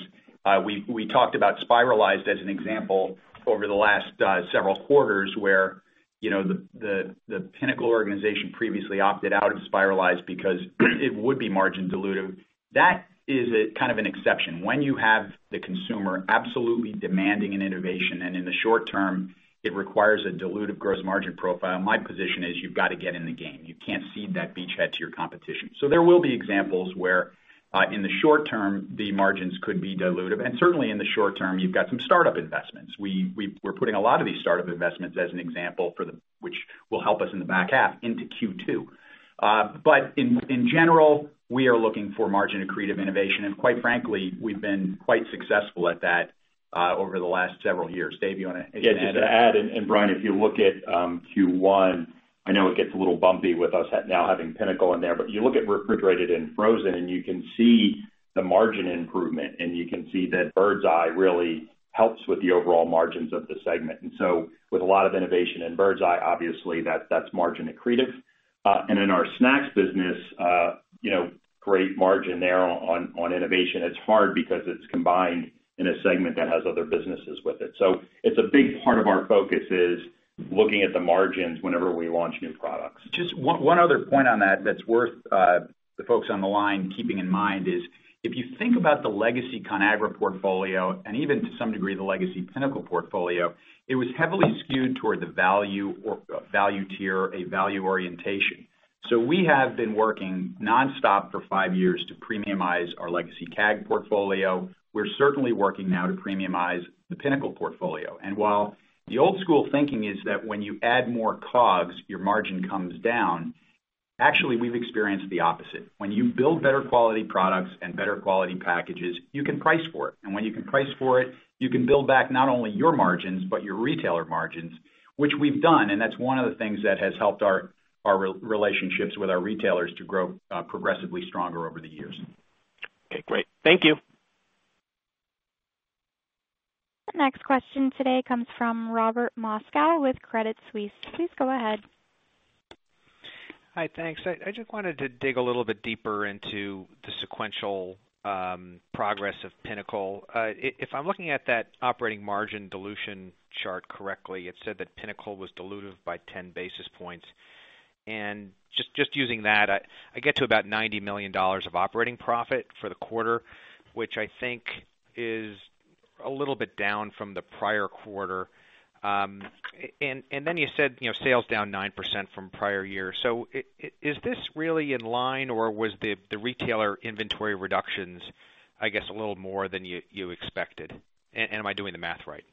We talked about Spiralized as an example over the last several quarters where the Pinnacle organization previously opted out of Spiralized because it would be margin dilutive. That is kind of an exception. When you have the consumer absolutely demanding an innovation, and in the short term, it requires a dilutive gross margin profile, my position is you've got to get in the game. You can't seed that beachhead to your competition. So there will be examples where in the short term, the margins could be dilutive. And certainly in the short term, you've got some startup investments. We're putting a lot of these startup investments as an example for the. Which will help us in the back half into Q2. But in general, we are looking for margin accretive innovation, and quite frankly, we've been quite successful at that over the last several years. Dave, you want to add? Yes. Just to add, and Bryan, if you look at Q1, I know it gets a little bumpy with us now having Pinnacle in there, but you look at refrigerated and frozen, and you can see the margin improvement, and you can see that Birds Eye really helps with the overall margins of the segment. And so with a lot of innovation in Birds Eye, obviously, that's margin accretive. And in our snacks business, great margin there on innovation. It's hard because it's combined in a segment that has other businesses with it. So it's a big part of our focus is looking at the margins whenever we launch new products. Just one other point on that that's worth the folks on the line keeping in mind is if you think about the Legacy Conagra portfolio, and even to some degree the Legacy Pinnacle portfolio, it was heavily skewed toward the value or value tier, a value orientation. So we have been working nonstop for five years to premiumize our Legacy Conagra portfolio. We're certainly working now to premiumize the Pinnacle portfolio. And while the old-school thinking is that when you add more COGS, your margin comes down, actually, we've experienced the opposite. When you build better quality products and better quality packages, you can price for it. And when you can price for it, you can build back not only your margins but your retailer margins, which we've done, and that's one of the things that has helped our relationships with our retailers to grow progressively stronger over the years. Okay. Great. Thank you. The next question today comes from Robert Moskow with Credit Suisse. Please go ahead. Hi. Thanks. I just wanted to dig a little bit deeper into the sequential progress of Pinnacle. If I'm looking at that operating margin dilution chart correctly, it said that Pinnacle was dilutive by 10 basis points. And just using that, I get to about $90 million of operating profit for the quarter, which I think is a little bit down from the prior quarter. And then you said sales down 9% from prior year. So is this really in line, or was the retailer inventory reductions, I guess, a little more than you expected? And am I doing the math right?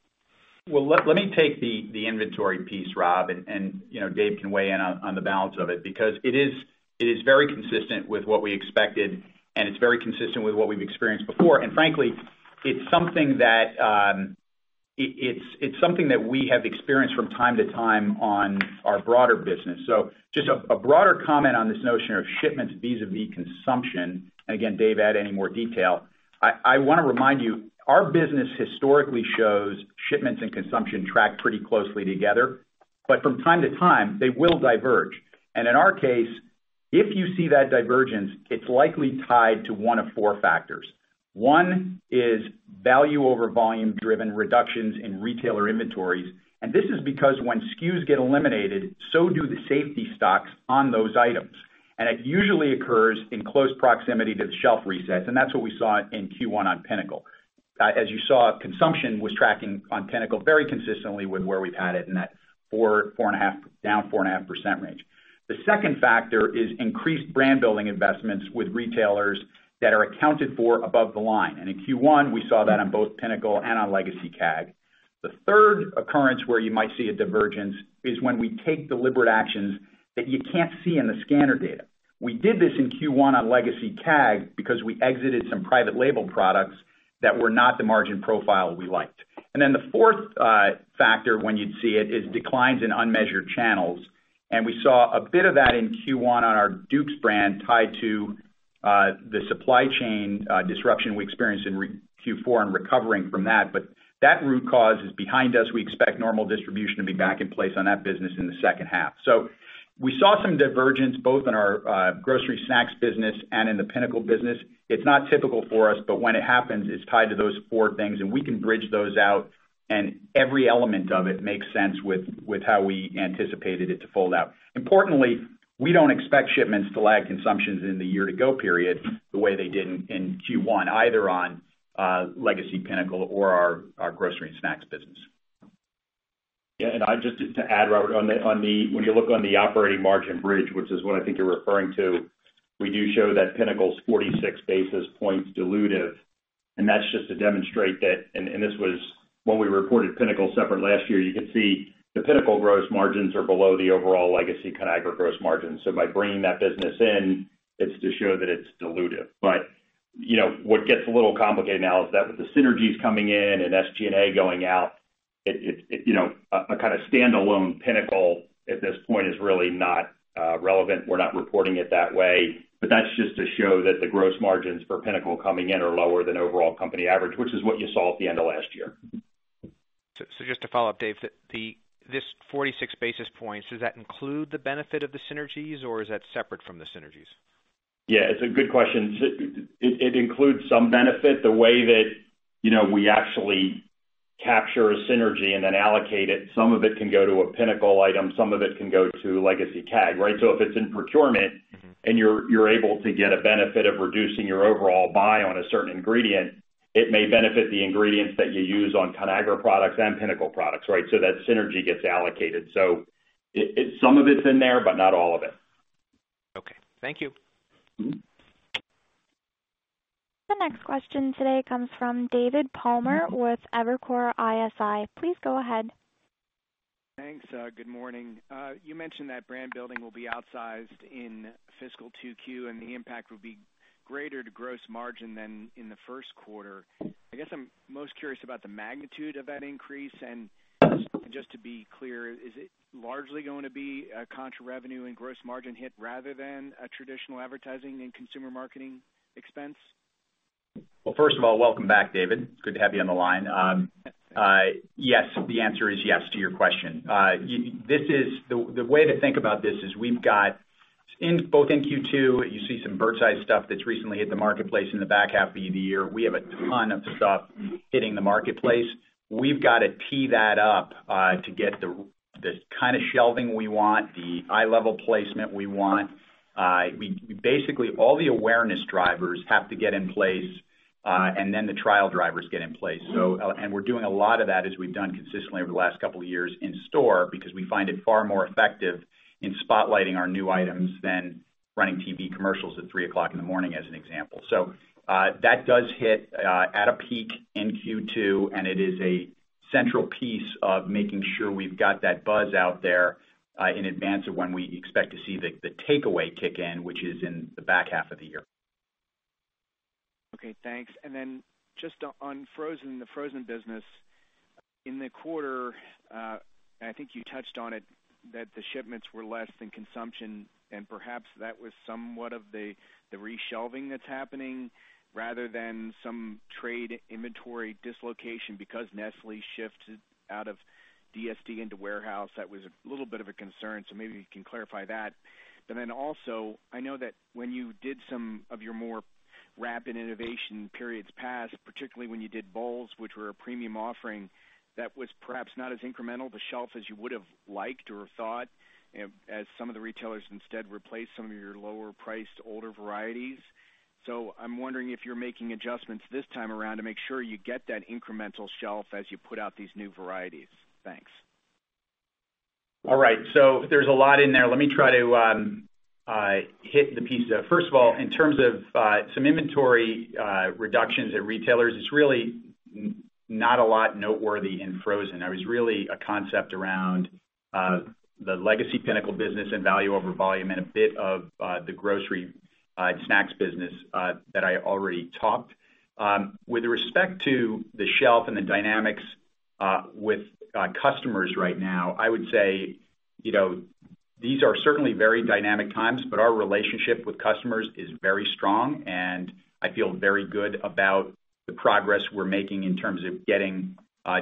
Well, let me take the inventory piece, Rob, and Dave can weigh in on the balance of it because it is very consistent with what we expected, and it's very consistent with what we've experienced before. And frankly, it's something that we have experienced from time to time on our broader business. So just a broader comment on this notion of shipments vis-à-vis consumption, and again, Dave, add any more detail. I want to remind you our business historically shows shipments and consumption track pretty closely together, but from time to time, they will diverge. And in our case, if you see that divergence, it's likely tied to one of four factors. One is Value-over-Volume-driven reductions in retailer inventories. And this is because when SKUs get eliminated, so do the safety stocks on those items. And it usually occurs in close proximity to the shelf resets, and that's what we saw in Q1 on Pinnacle. As you saw, consumption was tracking on Pinnacle very consistently with where we've had it in that down 4.5% range. The second factor is increased brand building investments with retailers that are accounted for above the line. And in Q1, we saw that on both Pinnacle and on Legacy CAG. The third occurrence where you might see a divergence is when we take deliberate actions that you can't see in the scanner data. We did this in Q1 on Legacy CAG because we exited some private label products that were not the margin profile we liked. And then the fourth factor when you'd see it is declines in unmeasured channels. And we saw a bit of that in Q1 on our Duke's brand tied to the supply chain disruption we experienced in Q4 and recovering from that. But that root cause is behind us. We expect normal distribution to be back in place on that business in the second half. So we saw some divergence both in our grocery snacks business and in the Pinnacle business. It's not typical for us, but when it happens, it's tied to those four things, and we can bridge those out, and every element of it makes sense with how we anticipated it to fold out. Importantly, we don't expect shipments to lag consumptions in the year-to-go period the way they did in Q1, either on Legacy Pinnacle or our grocery and snacks business. Yeah. And just to add, Robert, when you look on the operating margin bridge, which is what I think you're referring to, we do show that Pinnacle's 46 basis points dilutive, and that's just to demonstrate that. And this was when we reported Pinnacle separate last year, you could see the Pinnacle gross margins are below the overall Legacy Conagra gross margins. So by bringing that business in, it's to show that it's dilutive. But what gets a little complicated now is that with the synergies coming in and SG&A going out, a kind of standalone Pinnacle at this point is really not relevant. We're not reporting it that way. But that's just to show that the gross margins for Pinnacle coming in are lower than overall company average, which is what you saw at the end of last year. So just to follow up, Dave, this 46 basis points, does that include the benefit of the synergies, or is that separate from the synergies? Yeah. It's a good question. It includes some benefit. The way that we actually capture a synergy and then allocate it, some of it can go to a Pinnacle item, some of it can go to Legacy CAG, right? So if it's in procurement and you're able to get a benefit of reducing your overall buy on a certain ingredient, it may benefit the ingredients that you use on Conagra products and Pinnacle products, right? So that synergy gets allocated. So some of it's in there, but not all of it. Okay. Thank you. The next question today comes from David Palmer with Evercore ISI. Please go ahead. Thanks. Good morning. You mentioned that brand building will be outsized in fiscal 2Q, and the impact will be greater to gross margin than in the Q1. I guess I'm most curious about the magnitude of that increase, and just to be clear, is it largely going to be a contra-revenue and gross margin hit rather than a traditional advertising and consumer marketing expense? Well, first of all, welcome back, David. It's good to have you on the line. Yes. The answer is yes to your question. The way to think about this is we've got both in Q2, you see some Birds Eye stuff that's recently hit the marketplace in the back half of the year. We have a ton of stuff hitting the marketplace. We've got to tee that up to get the kind of shelving we want, the eye-level placement we want. Basically, all the awareness drivers have to get in place, and then the trial drivers get in place, and we're doing a lot of that as we've done consistently over the last couple of years in store because we find it far more effective in spotlighting our new items than running TV commercials at 3:00 A.M. as an example, so that does hit at a peak in Q2, and it is a central piece of making sure we've got that buzz out there in advance of when we expect to see the takeaway kick in, which is in the back half of the year. Okay. Thanks. And then just on the frozen business, in the quarter, I think you touched on it that the shipments were less than consumption, and perhaps that was somewhat of the reshelving that's happening rather than some trade inventory dislocation because Nestlé shifted out of DSD into warehouse. That was a little bit of a concern, so maybe you can clarify that. But then also, I know that when you did some of your more rapid innovation periods past, particularly when you did bowls, which were a premium offering, that was perhaps not as incremental to shelf as you would have liked or thought, as some of the retailers instead replaced some of your lower-priced older varieties. So I'm wondering if you're making adjustments this time around to make sure you get that incremental shelf as you put out these new varieties. Thanks. All right. So there's a lot in there. Let me try to hit the piece. First of all, in terms of some inventory reductions at retailers, it's really not a lot noteworthy in frozen. It was really a concept around the Legacy Pinnacle business and Value-over-Volume and a bit of the grocery and snacks business that I already talked. With respect to the shelf and the dynamics with customers right now, I would say these are certainly very dynamic times, but our relationship with customers is very strong, and I feel very good about the progress we're making in terms of getting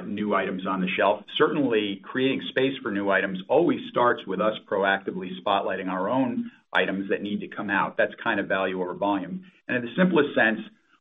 new items on the shelf. Certainly, creating space for new items always starts with us proactively spotlighting our own items that need to come out. That's kind of Value-over-Volume. In the simplest sense,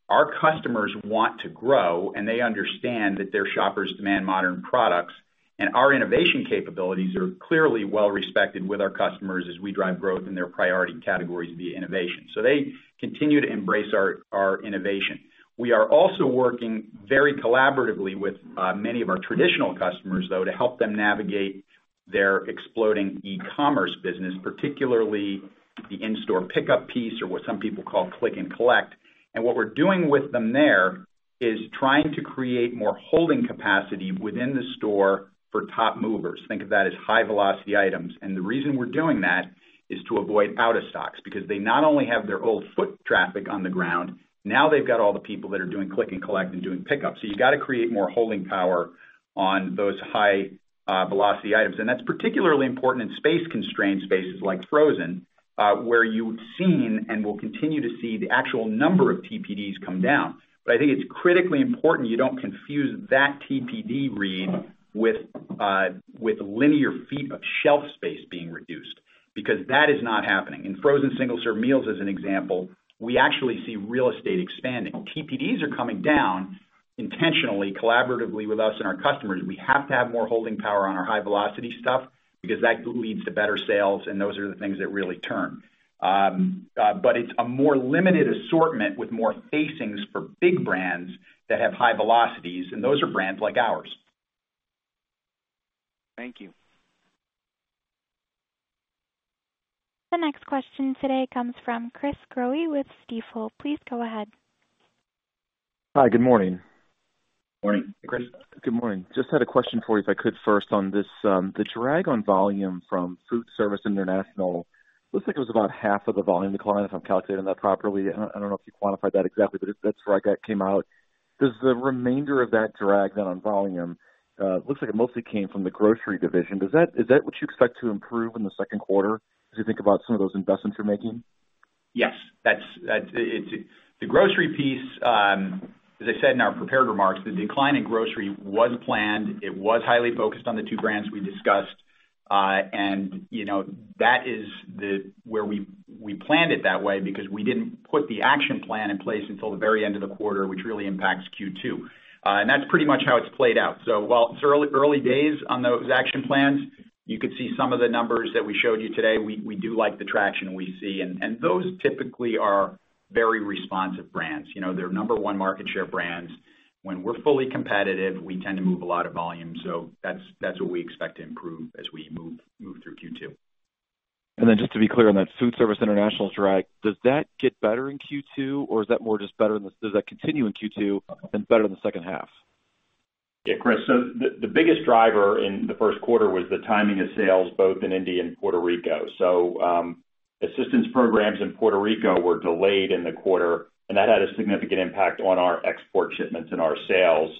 our customers want to grow, and they understand that their shoppers demand modern products, and our innovation capabilities are clearly well-respected with our customers as we drive growth in their priority categories via innovation. They continue to embrace our innovation. We are also working very collaboratively with many of our traditional customers, though, to help them navigate their exploding e-commerce business, particularly the in-store pickup piece or what some people call click and collect. What we're doing with them there is trying to create more holding capacity within the store for top movers. Think of that as high-velocity items. The reason we're doing that is to avoid out-of-stocks because they not only have their old foot traffic on the ground, now they've got all the people that are doing click and collect and doing pickup. So you've got to create more holding power on those high-velocity items. And that's particularly important in space-constrained spaces like frozen, where you've seen and will continue to see the actual number of TPDs come down. But I think it's critically important you don't confuse that TPD read with linear feet of shelf space being reduced because that is not happening. In frozen single-serve meals, as an example, we actually see real estate expanding. TPDs are coming down intentionally, collaboratively with us and our customers. We have to have more holding power on our high-velocity stuff because that leads to better sales, and those are the things that really turn. But it's a more limited assortment with more facings for big brands that have high velocities, and those are brands like ours. Thank you. The next question today comes from Chris Growe with Stifel. Please go ahead. Hi. Good morning. Morning, Chris. Good morning. Just had a question for you, if I could first, on the drag on volume from Foodservice International. It looks like it was about half of the volume declined, if I'm calculating that properly. I don't know if you quantified that exactly, but that's where I came out. Does the remainder of that drag then on volume looks like it mostly came from the grocery division. Is that what you expect to improve in the Q2 as you think about some of those investments you're making? Yes. The grocery piece, as I said in our prepared remarks, the decline in grocery was planned. It was highly focused on the two brands we discussed, and that is where we planned it that way because we didn't put the action plan in place until the very end of the quarter, which really impacts Q2. And that's pretty much how it's played out. So while it's early days on those action plans, you could see some of the numbers that we showed you today, we do like the traction we see. And those typically are very responsive brands. They're number one market share brands. When we're fully competitive, we tend to move a lot of volume. So that's what we expect to improve as we move through Q2. And then just to be clear on that, Foodservice International's drag, does that get better in Q2, or is that more just better in the does that continue in Q2 and better in the second half? Yeah, Chris. So the biggest driver in the Q1 was the timing of sales, both in India and Puerto Rico. Assistance programs in Puerto Rico were delayed in the quarter, and that had a significant impact on our export shipments and our sales.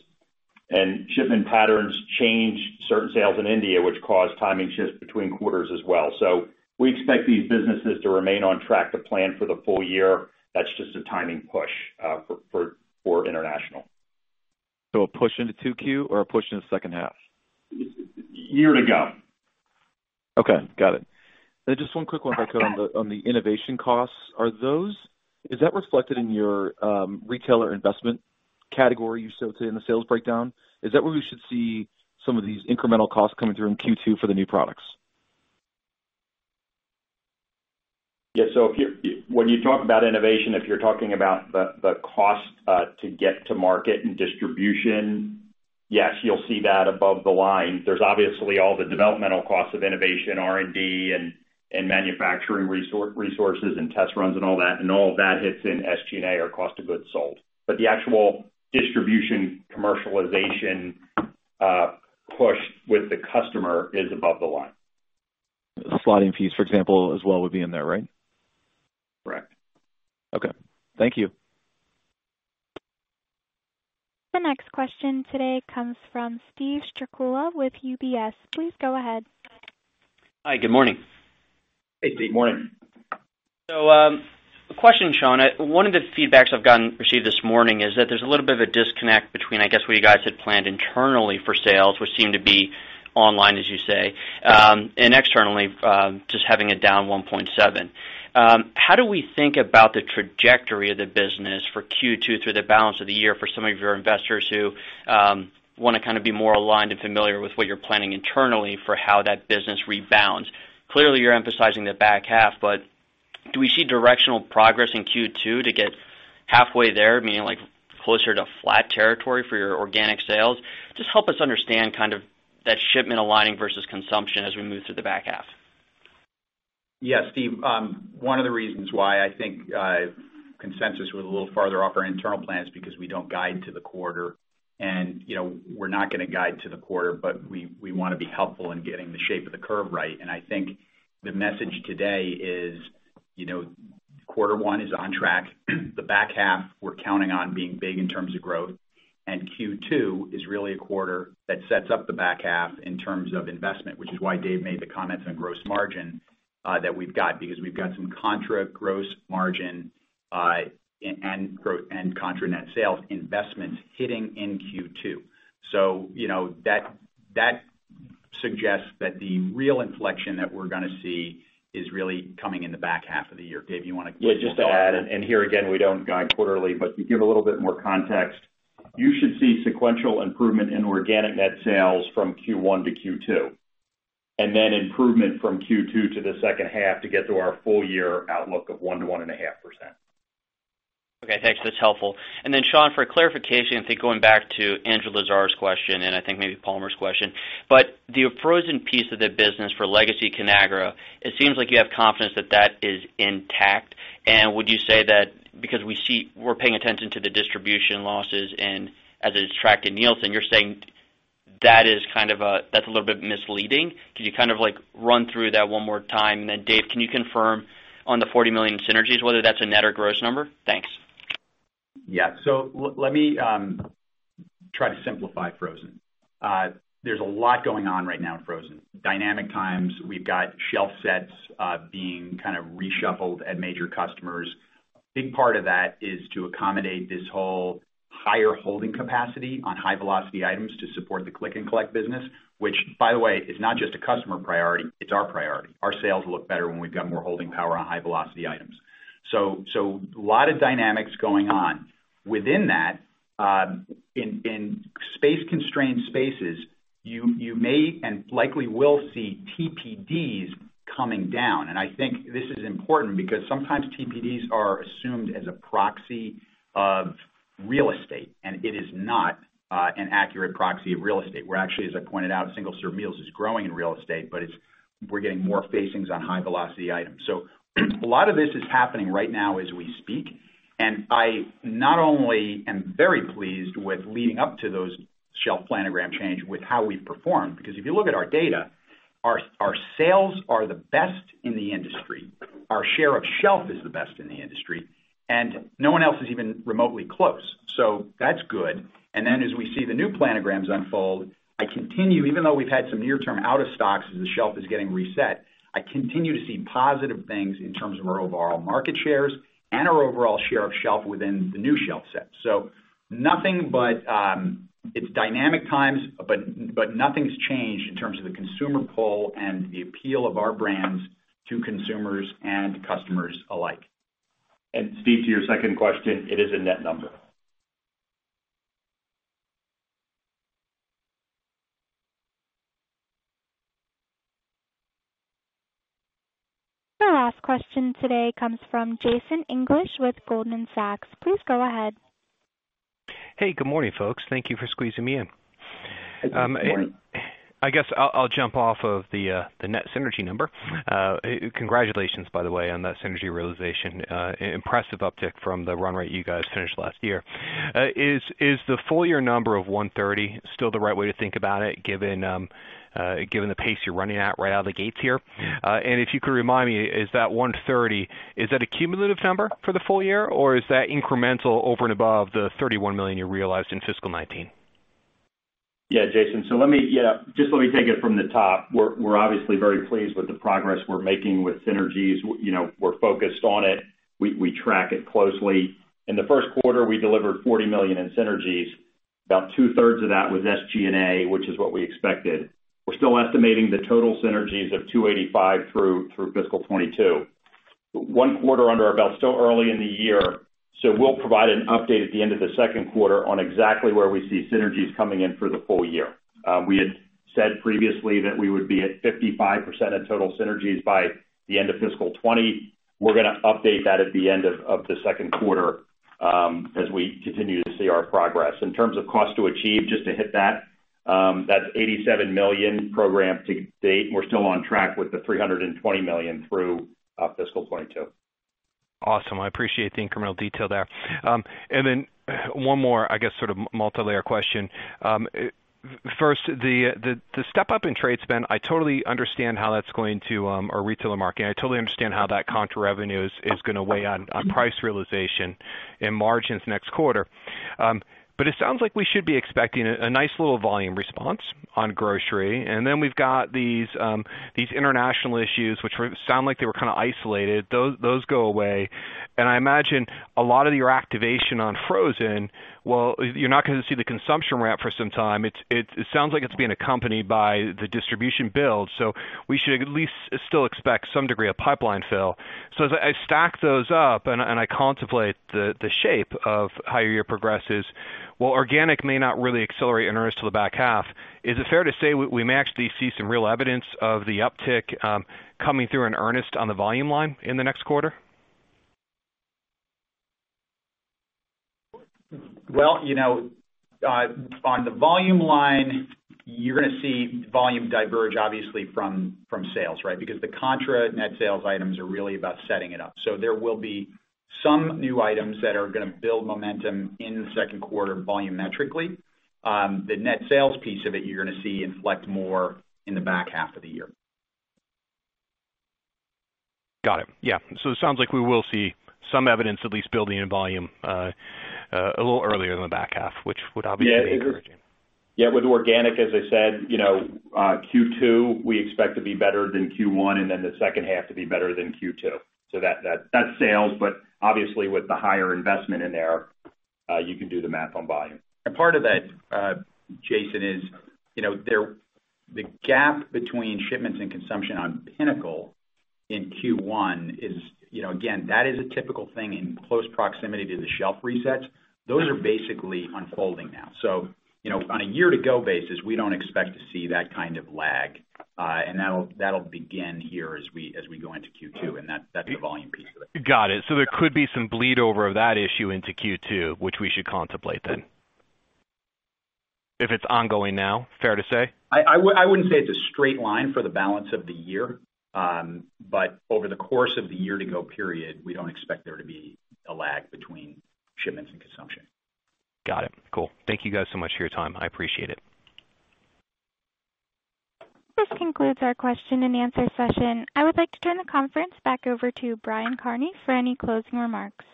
Shipment patterns changed certain sales in India, which caused timing shifts between quarters as well. We expect these businesses to remain on track to plan for the full year. That's just a timing push for international. So a push into 2Q or a push into the second half? Year to go. Okay. Got it. Then just one quick one, if I could, on the innovation costs. Is that reflected in your retailer investment category you showed today in the sales breakdown? Is that where we should see some of these incremental costs coming through in Q2 for the new products? Yeah. So when you talk about innovation, if you're talking about the cost to get to market and distribution, yes, you'll see that above the line. There's obviously all the developmental costs of innovation, R&D, and manufacturing resources and test runs and all that, and all of that hits in SG&A or cost of goods sold. But the actual distribution commercialization push with the customer is above the line. Slotting fees, for example, as well would be in there, right? Correct. Okay. Thank you. The next question today comes from Steve Strycula with UBS. Please go ahead. Hi. Good morning. Hey, Steve. Morning. So question, Sean. One of the feedbacks I've gotten this morning is that there's a little bit of a disconnect between, I guess, what you guys had planned internally for sales, which seemed to be online, as you say, and externally, just having it down 1.7%. How do we think about the trajectory of the business for Q2 through the balance of the year for some of your investors who want to kind of be more aligned and familiar with what you're planning internally for how that business rebounds? Clearly, you're emphasizing the back half, but do we see directional progress in Q2 to get halfway there, meaning closer to flat territory for your organic sales? Just help us understand kind of that shipment aligning versus consumption as we move through the back half. Yeah. Steve, one of the reasons why I think consensus was a little farther off our internal plan is because we don't guide to the quarter, and we're not going to guide to the quarter, but we want to be helpful in getting the shape of the curve right. And I think the message today is Q1 is on track. The back half, we're counting on being big in terms of growth, and Q2 is really a quarter that sets up the back half in terms of investment, which is why Dave made the comments on gross margin that we've got because we've got some contra gross margin and contra net sales investments hitting in Q2. So that suggests that the real inflection that we're going to see is really coming in the back half of the year. Dave, you want to? Yeah. Just to add, and here again, we don't guide quarterly, but to give a little bit more context, you should see sequential improvement in organic net sales from Q1 to Q2, and then improvement from Q2 to the second half to get to our full year outlook of 1%-1.5%. Okay. Thanks. That's helpful. And then, Sean, for clarification, I think going back to Andrew Lazar's question and I think maybe Palmer's question, but the frozen piece of the business for Legacy Conagra, it seems like you have confidence that that is intact. And would you say that because we're paying attention to the distribution losses and as it's tracked in Nielsen, you're saying that is kind of that's a little bit misleading? Could you kind of run through that one more time? And then, Dave, can you confirm on the $40 million synergies, whether that's a net or gross number? Thanks. Yeah. So let me try to simplify frozen. There's a lot going on right now in frozen. Dynamic times. We've got shelf sets being kind of reshuffled at major customers. A big part of that is to accommodate this whole higher holding capacity on high-velocity items to support the click and collect business, which, by the way, is not just a customer priority. It's our priority. Our sales look better when we've got more holding power on high-velocity items. So a lot of dynamics going on. Within that, in space-constrained spaces, you may and likely will see TPDs coming down. And I think this is important because sometimes TPDs are assumed as a proxy of real estate, and it is not an accurate proxy of real estate. We're actually, as I pointed out, single-serve meals is growing in real estate, but we're getting more facings on high-velocity items. So a lot of this is happening right now as we speak. I not only am very pleased with leading up to those shelf planogram change with how we've performed because if you look at our data, our sales are the best in the industry. Our share of shelf is the best in the industry, and no one else is even remotely close. So that's good. And then as we see the new planograms unfold, I continue, even though we've had some near-term out-of-stocks as the shelf is getting reset, I continue to see positive things in terms of our overall market shares and our overall share of shelf within the new shelf set. So nothing but it's dynamic times, but nothing's changed in terms of the consumer pull and the appeal of our brands to consumers and customers alike. And Steve, to your second question, it is a net number. The last question today comes from Jason English with Goldman Sachs. Please go ahead. Hey, good morning, folks. Thank you for squeezing me in. I guess I'll jump off of the net synergy number. Congratulations, by the way, on that synergy realization. Impressive uptick from the run rate you guys finished last year. Is the full year number of 130 still the right way to think about it given the pace you're running at right out of the gates here? And if you could remind me, is that 130, is that a cumulative number for the full year, or is that incremental over and above the $31 million you realized in Fiscal 2019? Yeah, Jason. So just let me take it from the top. We're obviously very pleased with the progress we're making with synergies. We're focused on it. We track it closely. In the Q1, we delivered $40 million in synergies. About two-thirds of that was SG&A, which is what we expected. We're still estimating the total synergies of $285 million through Fiscal 2022. One quarter under our belt, still early in the year, so we'll provide an update at the end of the Q2 on exactly where we see synergies coming in for the full year. We had said previously that we would be at 55% of total synergies by the end of Fiscal 2020. We're going to update that at the end of the Q2 as we continue to see our progress. In terms of cost to achieve, just to hit that, that's $87 million program to date. We're still on track with the $320 million through Fiscal 2022. Awesome. I appreciate the incremental detail there. And then one more, I guess, sort of multi-layer question. First, the step-up in trade spend. I totally understand how that's going to our retail market. I totally understand how that contra revenue is going to weigh on price realization and margins next quarter, but it sounds like we should be expecting a nice little volume response on grocery, and then we've got these international issues, which sound like they were kind of isolated. Those go away, and I imagine a lot of your activation on frozen, well, you're not going to see the consumption ramp for some time. It sounds like it's being accompanied by the distribution build, so we should at least still expect some degree of pipeline fill, so as I stack those up and I contemplate the shape of how your year progresses, well, organic may not really accelerate in earnest to the back half. Is it fair to say we may actually see some real evidence of the uptick coming through in earnest on the volume line in the next quarter? Well, on the volume line, you're going to see volume diverge, obviously, from sales, right? Because the contra net sales items are really about setting it up. So there will be some new items that are going to build momentum in the Q2 volumetrically. The net sales piece of it, you're going to see inflect more in the back half of the year. Got it. Yeah. So it sounds like we will see some evidence at least building in volume a little earlier than the back half, which would obviously encourage you. Yeah. With organic, as I said, Q2, we expect to be better than Q1 and then the second half to be better than Q2. So that's sales, but obviously, with the higher investment in there, you can do the math on volume. And part of that, Jason, is the gap between shipments and consumption on Pinnacle in Q1 is, again, that is a typical thing in close proximity to the shelf resets. Those are basically unfolding now. So on a year-to-go basis, we don't expect to see that kind of lag. And that'll begin here as we go into Q2. And that's the volume piece of it. Got it. So there could be some bleed over of that issue into Q2, which we should contemplate then. If it's ongoing now, fair to say? I wouldn't say it's a straight line for the balance of the year. But over the course of the year-to-go period, we don't expect there to be a lag between shipments and consumption. Got it. Cool. Thank you guys so much for your time. I appreciate it. This concludes our question and answer session. I would like to turn the conference back over to Brian Kearney for any closing remarks.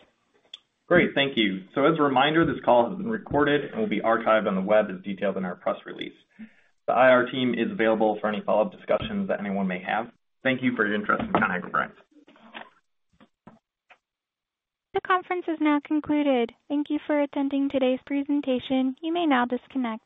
Great. Thank you. So as a reminder, this call has been recorded and will be archived on the web as detailed in our press release. The IR team is available for any follow-up discussions that anyone may have. Thank you for your interest in Conagra Brands. The conference is now concluded. Thank you for attending today's presentation. You may now disconnect.